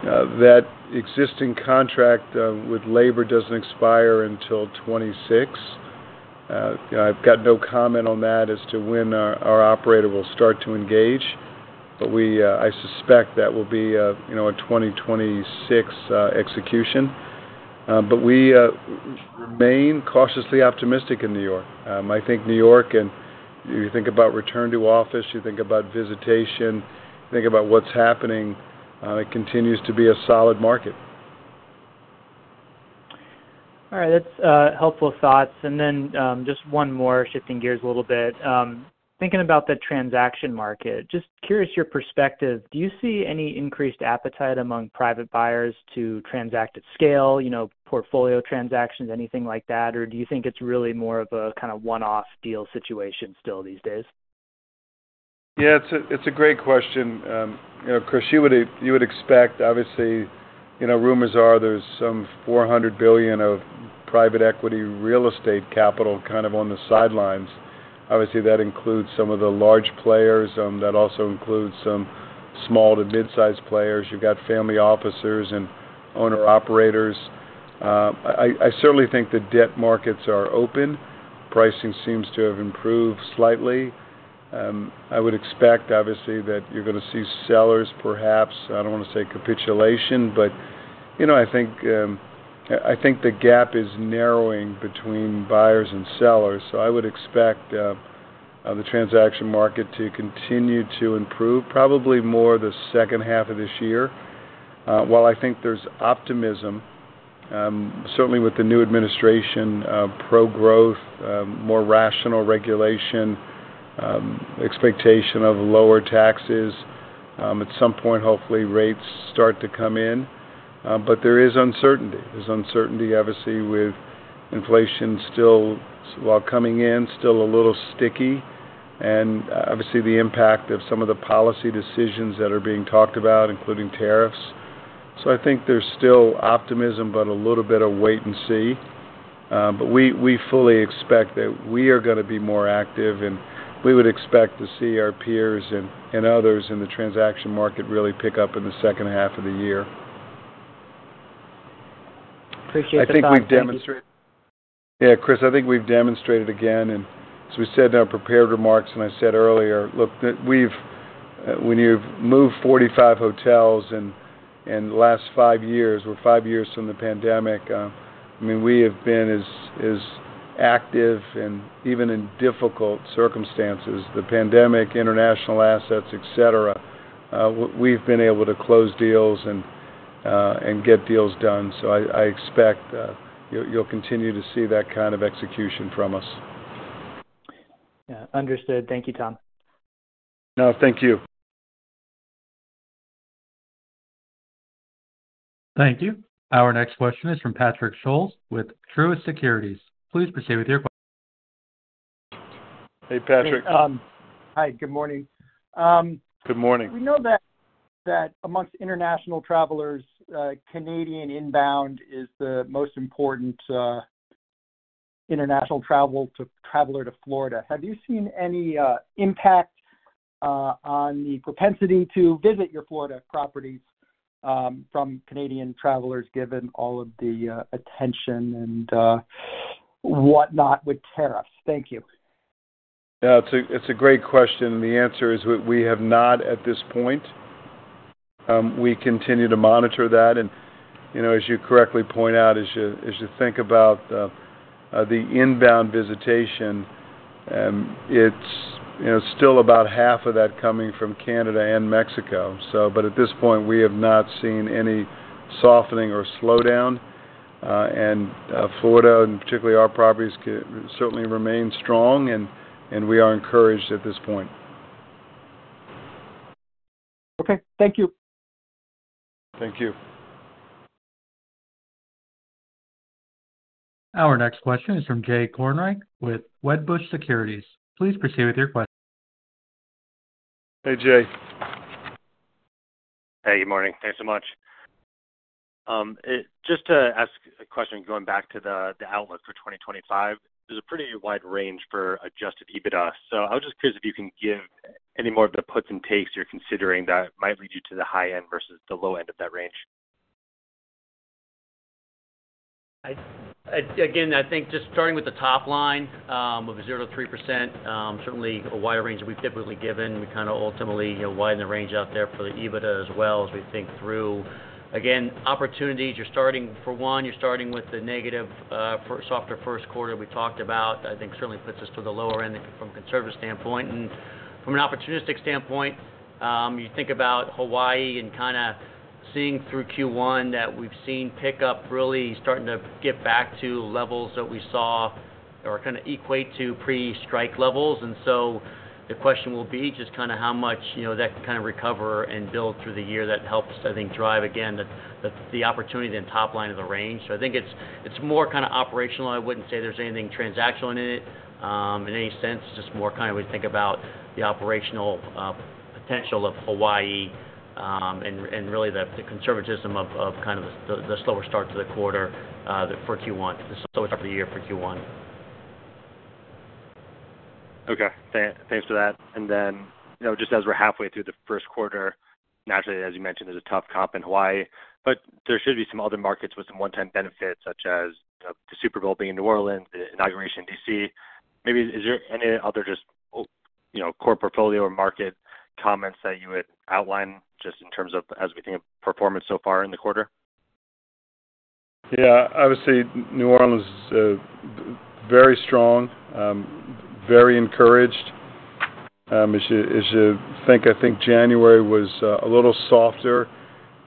That existing contract with labor doesn't expire until 2026. I've got no comment on that as to when our operator will start to engage, but I suspect that will be a 2026 execution. But we remain cautiously optimistic in New York. I think New York, and you think about return to office, you think about visitation, you think about what's happening, it continues to be a solid market. All right. That's helpful thoughts. And then just one more, shifting gears a little bit. Thinking about the transaction market, just curious your perspective. Do you see any increased appetite among private buyers to transact at scale, portfolio transactions, anything like that? Or do you think it's really more of a kind of one-off deal situation still these days? Yeah. It's a great question. Chris, you would expect, obviously, rumors are there's some $400 billion of private equity real estate capital kind of on the sidelines. Obviously, that includes some of the large players. That also includes some small to mid-sized players. You've got family offices and owner-operators. I certainly think the debt markets are open. Pricing seems to have improved slightly. I would expect, obviously, that you're going to see sellers, perhaps. I don't want to say capitulation, but I think the gap is narrowing between buyers and sellers. So I would expect the transaction market to continue to improve, probably more the second half of this year. While I think there's optimism, certainly with the new administration, pro-growth, more rational regulation, expectation of lower taxes. At some point, hopefully, rates start to come in. But there is uncertainty. There's uncertainty, obviously, with inflation still, while coming in, still a little sticky. And obviously, the impact of some of the policy decisions that are being talked about, including tariffs. So I think there's still optimism, but a little bit of wait and see. But we fully expect that we are going to be more active, and we would expect to see our peers and others in the transaction market really pick up in the second half of the year. Appreciate the time. I think we've demonstrated. Yeah, Chris, I think we've demonstrated again. As we said in our prepared remarks, and I said earlier, look, when you've moved 45 hotels in the last five years, we're five years from the pandemic, I mean, we have been as active and even in difficult circumstances, the pandemic, international assets, etc., we've been able to close deals and get deals done. So I expect you'll continue to see that kind of execution from us. Yeah. Understood. Thank you, Tom. No, thank you. Thank you. Our next question is from Patrick Scholes with Truist Securities. Please proceed with your question. Hey, Patrick. Hi. Good morning. Good morning. We know that among international travelers, Canadian inbound is the most important international traveler to Florida. Have you seen any impact on the propensity to visit your Florida properties from Canadian travelers, given all of the attention and whatnot with tariffs? Thank you. Yeah. It's a great question. The answer is, we have not at this point. We continue to monitor that. And as you correctly point out, as you think about the inbound visitation, it's still about half of that coming from Canada and Mexico. But at this point, we have not seen any softening or slowdown. And Florida, and particularly our properties, certainly remain strong, and we are encouraged at this point. Okay. Thank you. Thank you. Our next question is from Jay Kornreich with Wedbush Securities. Please proceed with your question. Hey, Jay. Hey, good morning. Thanks so much. Just to ask a question going back to the outlook for 2025, there's a pretty wide range for Adjusted EBITDA. So I was just curious if you can give any more of the puts and takes you're considering that might lead you to the high end versus the low end of that range. Again, I think just starting with the top line of 0%-3%, certainly a wide range that we've typically given. We kind of ultimately widen the range out there for the EBITDA as well as we think through. Again, opportunities, you're starting for one, you're starting with the negative softer first quarter we talked about. I think certainly puts us to the lower end from a conservative standpoint. And from an opportunistic standpoint, you think about Hawaii and kind of seeing through Q1 that we've seen pick up really starting to get back to levels that we saw or kind of equate to pre-strike levels. And so the question will be just kind of how much that can kind of recover and build through the year that helps, I think, drive again the opportunity and top line of the range. So I think it's more kind of operational.I wouldn't say there's anything transactional in it in any sense. It's just more kind of we think about the operational potential of Hawaii and really the conservatism of kind of the slower start to the quarter for Q1, the slower start of the year for Q1. Okay. Thanks for that. And then just as we're halfway through the first quarter, naturally, as you mentioned, there's a tough comp in Hawaii. But there should be some other markets with some one-time benefits, such as the Super Bowl being in New Orleans, the Inauguration in DC. Maybe is there any other just core portfolio or market comments that you would outline just in terms of as we think of performance so far in the quarter? Yeah. Obviously, New Orleans is very strong, very encouraged. As you think, I think January was a little softer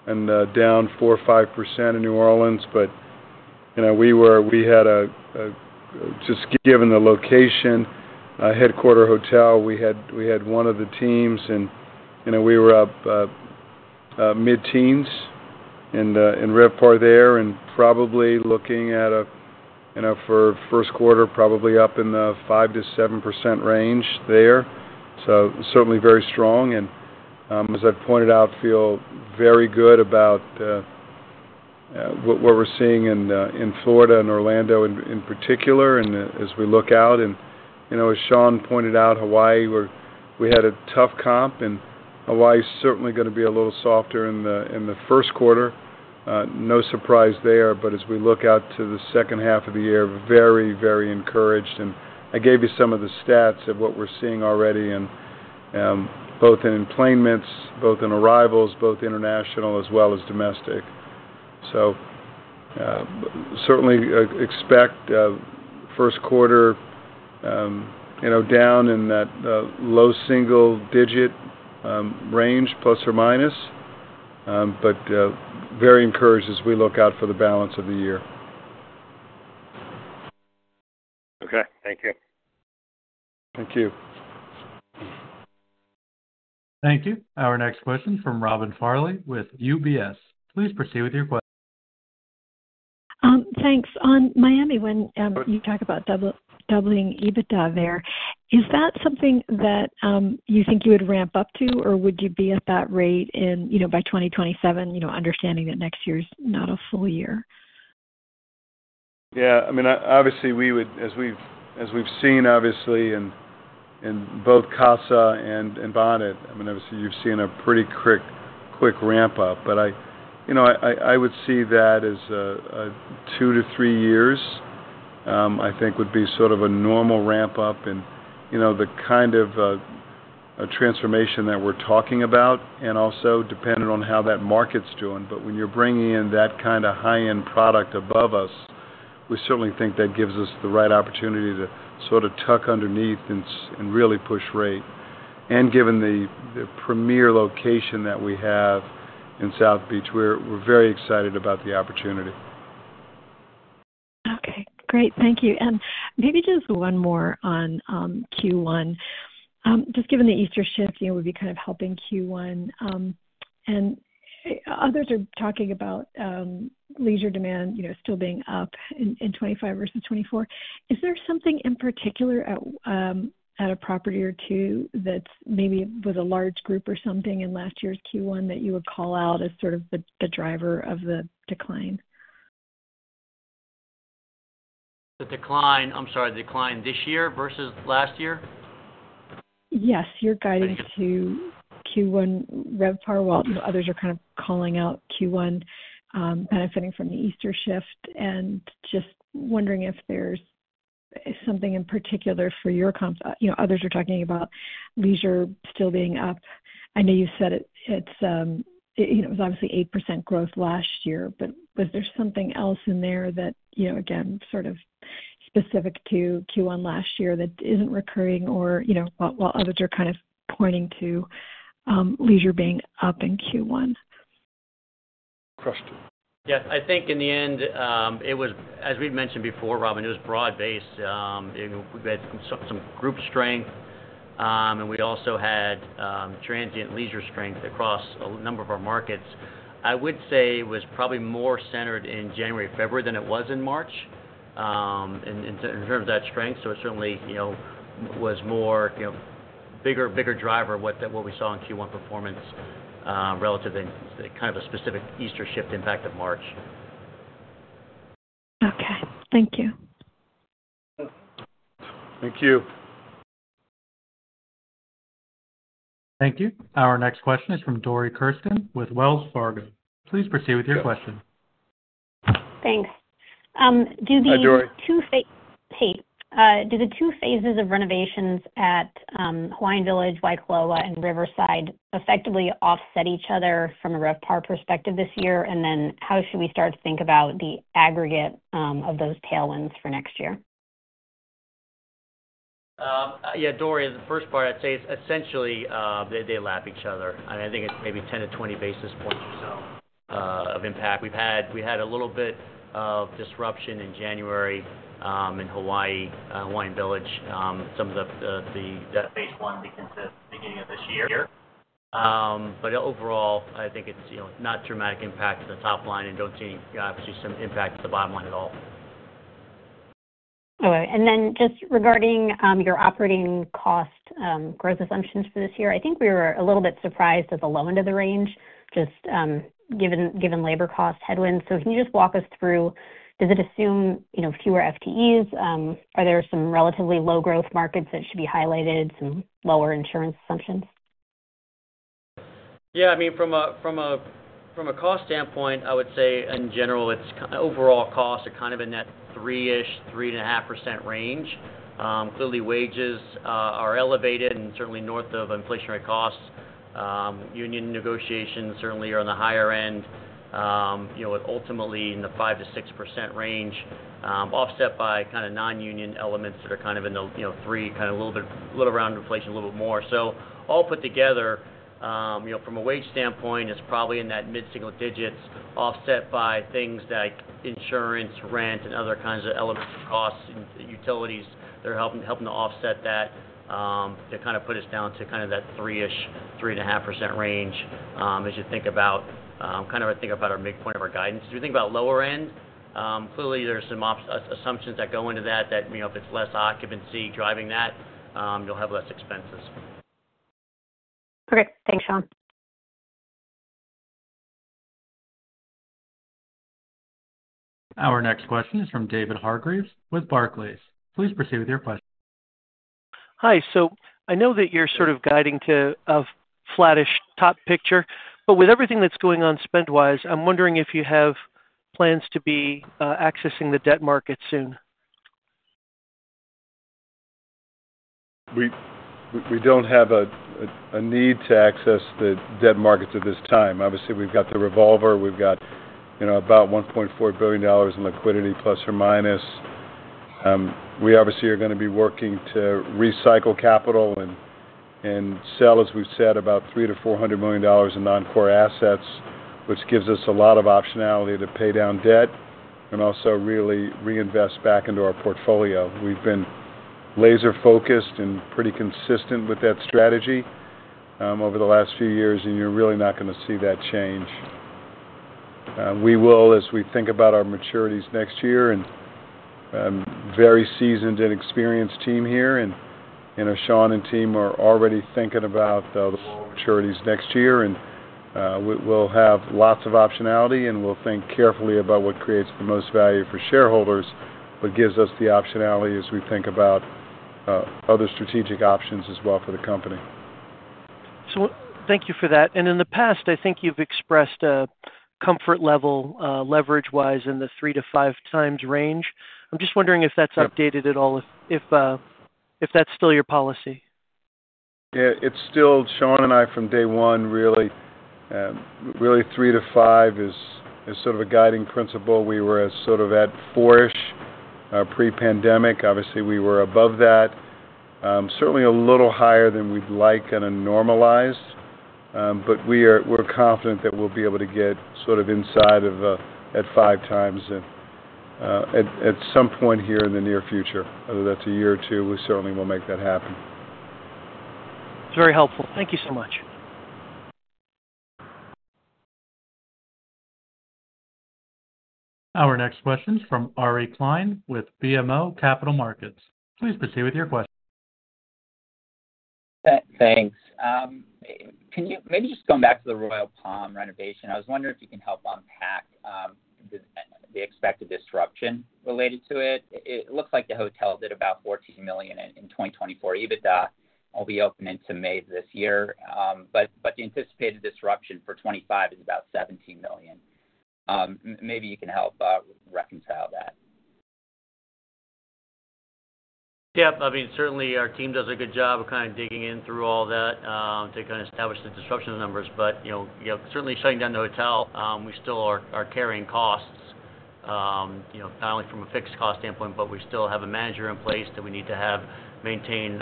and down 4%-5% in New Orleans. But we had just, given the location, headquarters hotel, we had one of the teams, and we were up mid-teens in RevPAR there and probably looking at, for first quarter, probably up in the 5%-7% range there. So certainly very strong. And as I've pointed out, feel very good about what we're seeing in Florida and Orlando in particular. And as we look out, and as Sean pointed out, Hawaii, we had a tough comp, and Hawaii is certainly going to be a little softer in the first quarter. No surprise there. But as we look out to the second half of the year, very, very encouraged. And I gave you some of the stats of what we're seeing already in both in enplanements, both in arrivals, both international as well as domestic. So certainly expect first quarter down in that low single digit range plus or minus, but very encouraged as we look out for the balance of the year. Okay. Thank you. Thank you. Thank you. Our next question is from Robin Farley with UBS. Please proceed with your question. Thanks. On Miami, when you talk about doubling EBITDA there, is that something that you think you would ramp up to, or would you be at that rate by 2027, understanding that next year's not a full year? Yeah. I mean, obviously, as we've seen, obviously, in both Casa and Bonnet, I mean, obviously, you've seen a pretty quick ramp up. But I would see that as two to three years, I think, would be sort of a normal ramp up in the kind of transformation that we're talking about and also depending on how that market's doing. But when you're bringing in that kind of high-end product above us, we certainly think that gives us the right opportunity to sort of tuck underneath and really push rate. And given the premier location that we have in South Beach, we're very excited about the opportunity. Okay. Great. Thank you. And maybe just one more on Q1. Just given the Easter shift, we'd be kind of helping Q1. And others are talking about leisure demand still being up in 2025 versus 2024. Is there something in particular at a property or two that maybe was a large group or something in last year's Q1 that you would call out as sort of the driver of the decline? The decline, I'm sorry, the decline this year versus last year? Yes. You're guiding to Q1 RevPAR. Well, others are kind of calling out Q1 benefiting from the Easter shift and just wondering if there's something in particular for your comps. Others are talking about leisure still being up. I know you said it was obviously 8% growth last year, but was there something else in there that, again, sort of specific to Q1 last year that isn't recurring while others are kind of pointing to leisure being up in Q1? Question. Yes. I think in the end, as we've mentioned before, Robin, it was broad-based. We had some group strength, and we also had transient leisure strength across a number of our markets. I would say it was probably more centered in January and February than it was in March in terms of that strength. So it certainly was a bigger driver of what we saw in Q1 performance relative to kind of a specific Easter shift impact of March. Okay. Thank you. Thank you. Thank you. Our next question is from Dory Killeen with Wells Fargo. Please proceed with your question. Thanks. Do the two phases of renovations at Hawaiian Village, Waikoloa, and Riverside effectively offset each other from a RevPAR perspective this year? And then how should we start to think about the aggregate of those tailwinds for next year? Yeah. Dory, the first part I'd say is essentially they lap each other. I think it's maybe 10-20 basis points or so of impact. We had a little bit of disruption in January in Hawaiian Village, some of the. That phase one begins at the beginning of this year. But overall, I think it's not a dramatic impact to the top line, and I don't see any obvious impact to the bottom line at all. All right, and then just regarding your operating cost growth assumptions for this year, I think we were a little bit surprised at the low end of the range, just given labor cost headwinds. So can you just walk us through? Does it assume fewer FTEs? Are there some relatively low-growth markets that should be highlighted, some lower insurance assumptions? Yeah. I mean, from a cost standpoint, I would say in general, overall costs are kind of in that 3-ish, 3.5% range. Clearly, wages are elevated and certainly north of inflationary costs. Union negotiations certainly are on the higher end, ultimately in the 5%-6% range, offset by kind of non-union elements that are kind of in the 3%, kind of a little bit around inflation, a little bit more. So all put together, from a wage standpoint, it's probably in that mid-single digits, offset by things like insurance, rent, and other kinds of elements of costs, utilities. They're helping to offset that to kind of put us down to kind of that 3-ish, 3.5% range. As you think about kind of I think about our midpoint of our guidance. If you think about lower end, clearly, there are some assumptions that go into that that if it's less occupancy driving that, you'll have less expenses. Okay. Thanks, Sean. Our next question is from David Hargreaves with Barclays. Please proceed with your question. Hi. I know that you're sort of guiding to a flattish top-line picture. With everything that's going on spend-wise, I'm wondering if you have plans to be accessing the debt market soon. We don't have a need to access the debt markets at this time. Obviously, we've got the revolver. We've got about $1.4 billion in liquidity plus or minus. We obviously are going to be working to recycle capital and sell, as we've said, about $300-$400 million in non-core assets, which gives us a lot of optionality to pay down debt and also really reinvest back into our portfolio. We've been laser-focused and pretty consistent with that strategy over the last few years, and you're really not going to see that change. We will, as we think about our maturities next year, and very seasoned and experienced team here, and Sean and team are already thinking about the maturities next year. And we'll have lots of optionality, and we'll think carefully about what creates the most value for shareholders, but gives us the optionality as we think about other strategic options as well for the company. So thank you for that. And in the past, I think you've expressed a comfort level leverage-wise in the three to five times range. I'm just wondering if that's updated at all, if that's still your policy. Yeah. It's still Sean and I from day one, really. Really, three to five is sort of a guiding principle. We were sort of at four-ish pre-pandemic. Obviously, we were above that, certainly a little higher than we'd like and a normalized. But we're confident that we'll be able to get sort of inside of that 5 times at some point here in the near future. Whether that's a year or two, we certainly will make that happen. It's very helpful. Thank you so much. Our next question is from Ari Klein with BMO Capital Markets. Please proceed with your question. Thanks. Maybe just going back to the Royal Palm renovation, I was wondering if you can help unpack the expected disruption related to it. It looks like the hotel did about $14 million in 2024 EBITDA. It will be open into May of this year. But the anticipated disruption for 2025 is about $17 million. Maybe you can help reconcile that. Yep. I mean, certainly, our team does a good job of kind of digging in through all that to kind of establish the disruption numbers. But certainly, shutting down the hotel, we still are carrying costs, not only from a fixed cost standpoint, but we still have a manager in place that we need to have maintain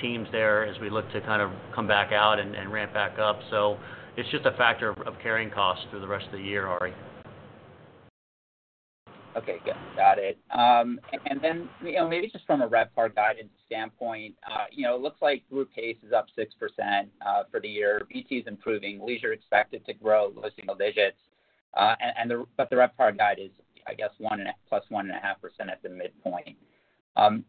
teams there as we look to kind of come back out and ramp back up. So it's just a factor of carrying costs through the rest of the year, Ari. Okay. Got it. And then maybe just from a RevPAR guidance standpoint, it looks like group pace is up 6% for the year. BT is improving. Leisure expected to grow low single digits. But the RevPAR guide is, I guess, plus 1.5% at the midpoint.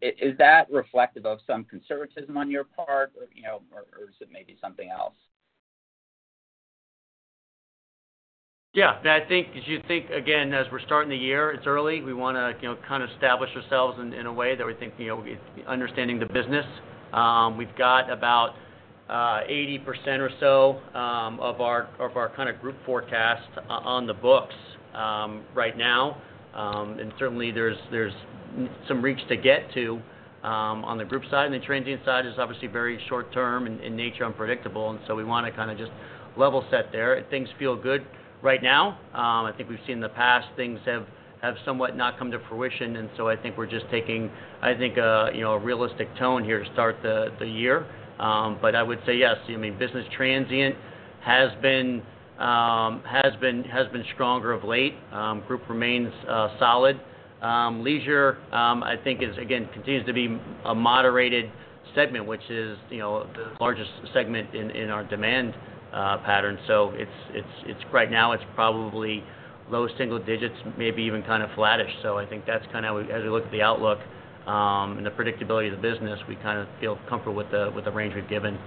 Is that reflective of some conservatism on your part, or is it maybe something else? Yeah. As you think, again, as we're starting the year, it's early. We want to kind of establish ourselves in a way that we think understanding the business. We've got about 80% or so of our kind of group forecast on the books right now. And certainly, there's some reach to get to on the group side. And the transient side is obviously very short-term in nature, unpredictable. And so we want to kind of just level set there. Things feel good right now. I think we've seen in the past, things have somewhat not come to fruition. And so I think we're just taking, I think, a realistic tone here to start the year. But I would say, yes, I mean, business transient has been stronger of late. Group remains solid. Leisure, I think, again, continues to be a moderated segment, which is the largest segment in our demand pattern. So right now, it's probably low single digits, maybe even kind of flattish. So I think that's kind of how, as we look at the outlook and the predictability of the business, we kind of feel comfortable with the range we've given.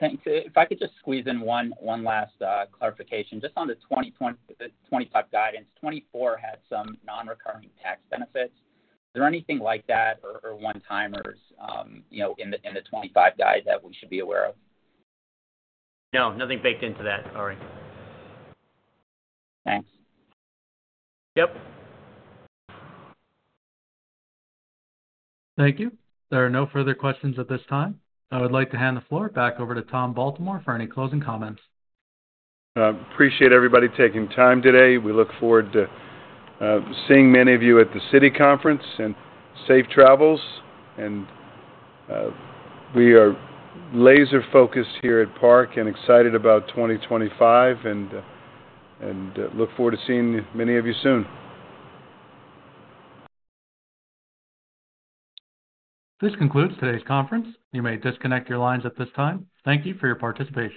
Thanks. If I could just squeeze in one last clarification. Just on the 2025 guidance, 2024 had some non-recurring tax benefits. Is there anything like that or one-timers in the 2025 guide that we should be aware of? No. Nothing baked into that, Ari. Thanks. Yep. Thank you. There are no further questions at this time. I would like to hand the floor back over to Tom Baltimore for any closing comments. Appreciate everybody taking time today. We look forward to seeing many of you at the Citi conference and safe travels. And we are laser-focused here at Park and excited about 2025 and look forward to seeing many of you soon. This concludes today's conference. You may disconnect your lines at this time. Thank you for your participation.